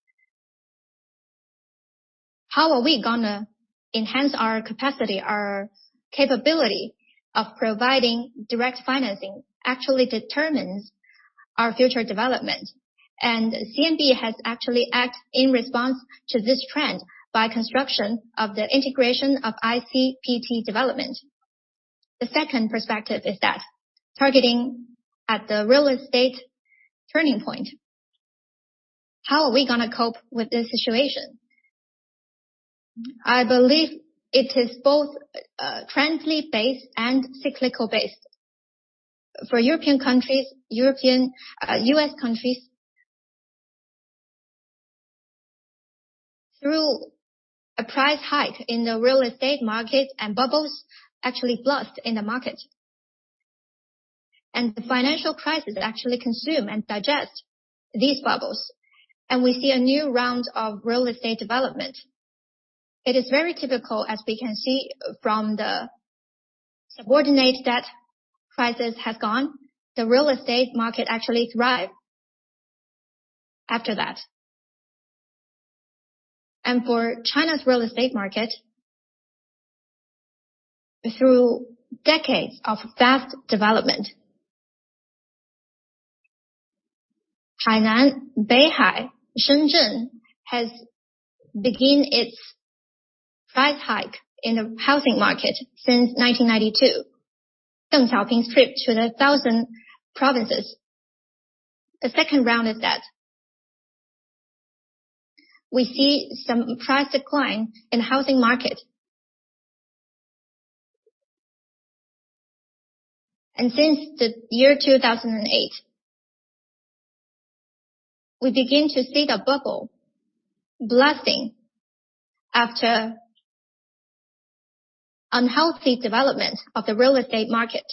[SPEAKER 1] how are we going to enhance our capacity, our capability of providing direct financing actually determines our future development. CMB has actually act in response to this trend by construction of the integration of ICPT development. The second perspective is that targeting at the real estate turning point. How are we going to cope with this situation? I believe it is both, trendly based and cyclical based. For European countries, U.S. countries, through a price hike in the real estate market and bubbles actually burst in the market, and the financial crisis actually consume and digest these bubbles, and we see a new round of real estate development. It is very typical as we can see from the subprime debt crisis has gone. The real estate market actually thrive after that. For China's real estate market, through decades of fast development, Hainan, Beihai, Shenzhen has begin its price hike in the housing market since 1992. Deng Xiaoping's trip to the southern provinces. The second round is that we see some price decline in housing market. Since the year 2008, we begin to see the bubble bursting after unhealthy development of the real estate market.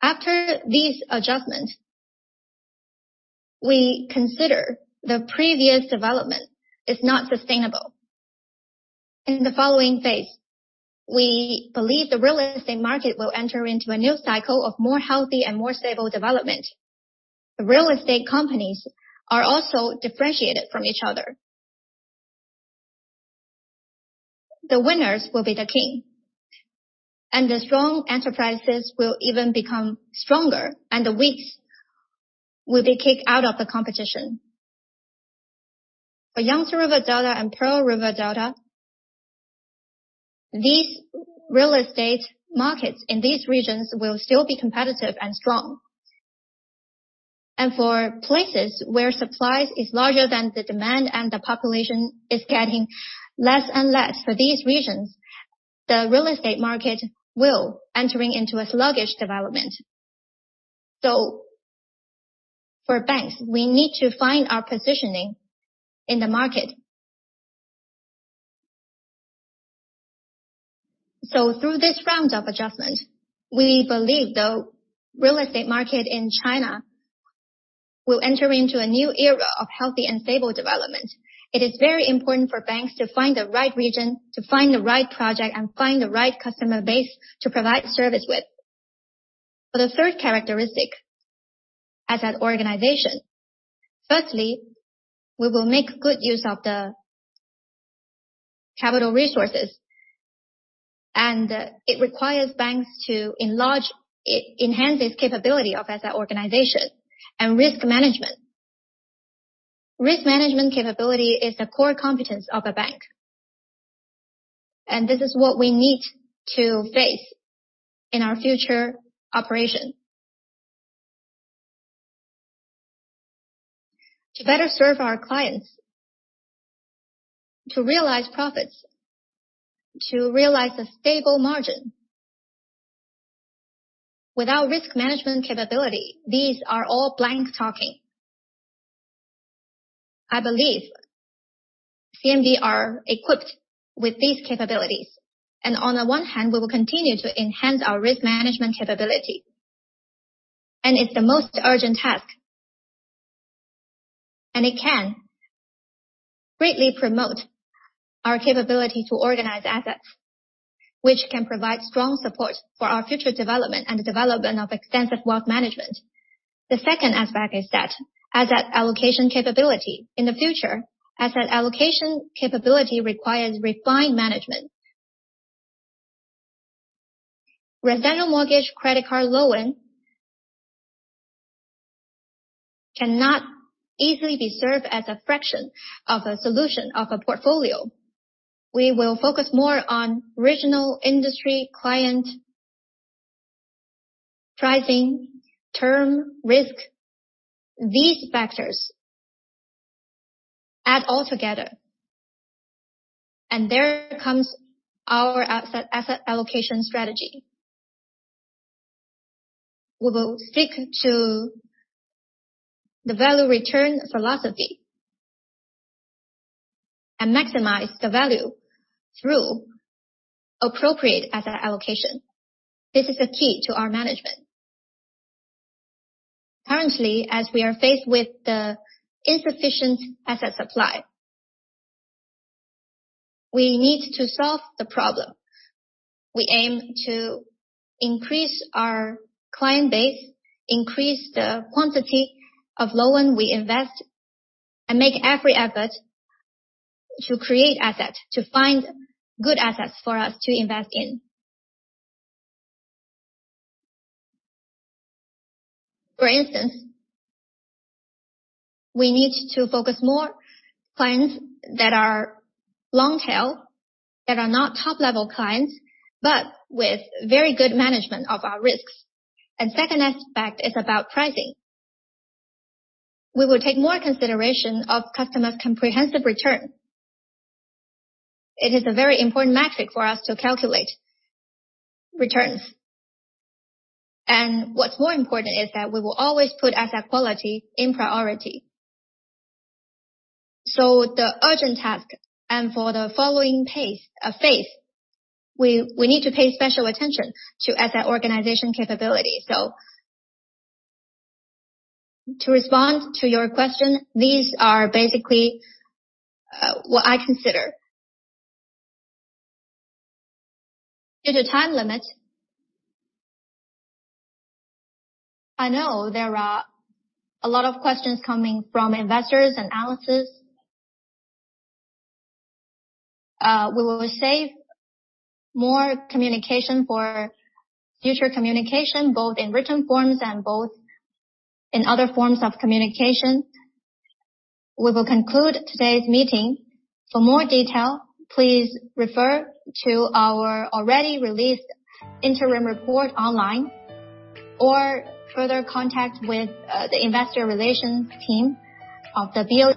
[SPEAKER 1] After this adjustment, we consider the previous development is not sustainable. In the following phase, we believe the real estate market will enter into a new cycle of more healthy and more stable development. The real estate companies are also differentiated from each other. The winners will be the king, and the strong enterprises will even become stronger, and the weak will be kicked out of the competition. For Yangtze River Delta and Pearl River Delta, these real estate markets in these regions will still be competitive and strong. For places where supply is larger than the demand and the population is getting less and less, for these regions, the real estate market will enter into a sluggish development. For banks, we need to find our positioning in the market. Through this round of adjustment, we believe the real estate market in China will enter into a new era of healthy and stable development. It is very important for banks to find the right region, to find the right project, and find the right customer base to provide service with. For the third characteristic, asset organization. Firstly, we will make good use of the capital resources, and it requires banks to enhance this capability of asset organization and risk management. Risk management capability is the core competence of a bank. This is what we need to face in our future operation. To better serve our clients, to realize profits, to realize a stable margin. Without risk management capability, these are all empty talk. I believe CMB are equipped with these capabilities. On the one hand, we will continue to enhance our risk management capability, and it's the most urgent task. It can greatly promote our capability to organize assets, which can provide strong support for our future development and development of extensive wealth management. The second aspect is that asset allocation capability. In the future, asset allocation capability requires refined management. Residential mortgage credit card loan cannot easily be served as a fraction of a solution of a portfolio. We will focus more on regional industry client pricing, term, risk. These factors add all together. There comes our asset allocation strategy. We will stick to the value return philosophy and maximize the value through appropriate asset allocation. This is the key to our management. Currently, as we are faced with the insufficient asset supply, we need to solve the problem. We aim to increase our client base, increase the quantity of loan we invest, and make every effort to create asset, to find good assets for us to invest in. For instance, we need to focus more clients that are long tail, that are not top-level clients, but with very good management of our risks. Second aspect is about pricing. We will take more consideration of customer's comprehensive return. It is a very important metric for us to calculate returns. What's more important is that we will always put asset quality in priority. The urgent task and for the following phase, we need to pay special attention to asset organization capability. To respond to your question, these are basically what I consider. Due to time limit, I know there are a lot of questions coming from investors, analysts. We will save more communication for future communication, both in written forms and both in other forms of communication. We will conclude today's meeting. For more detail, please refer to our already released interim report online or further contact with the investor relations team of CMB.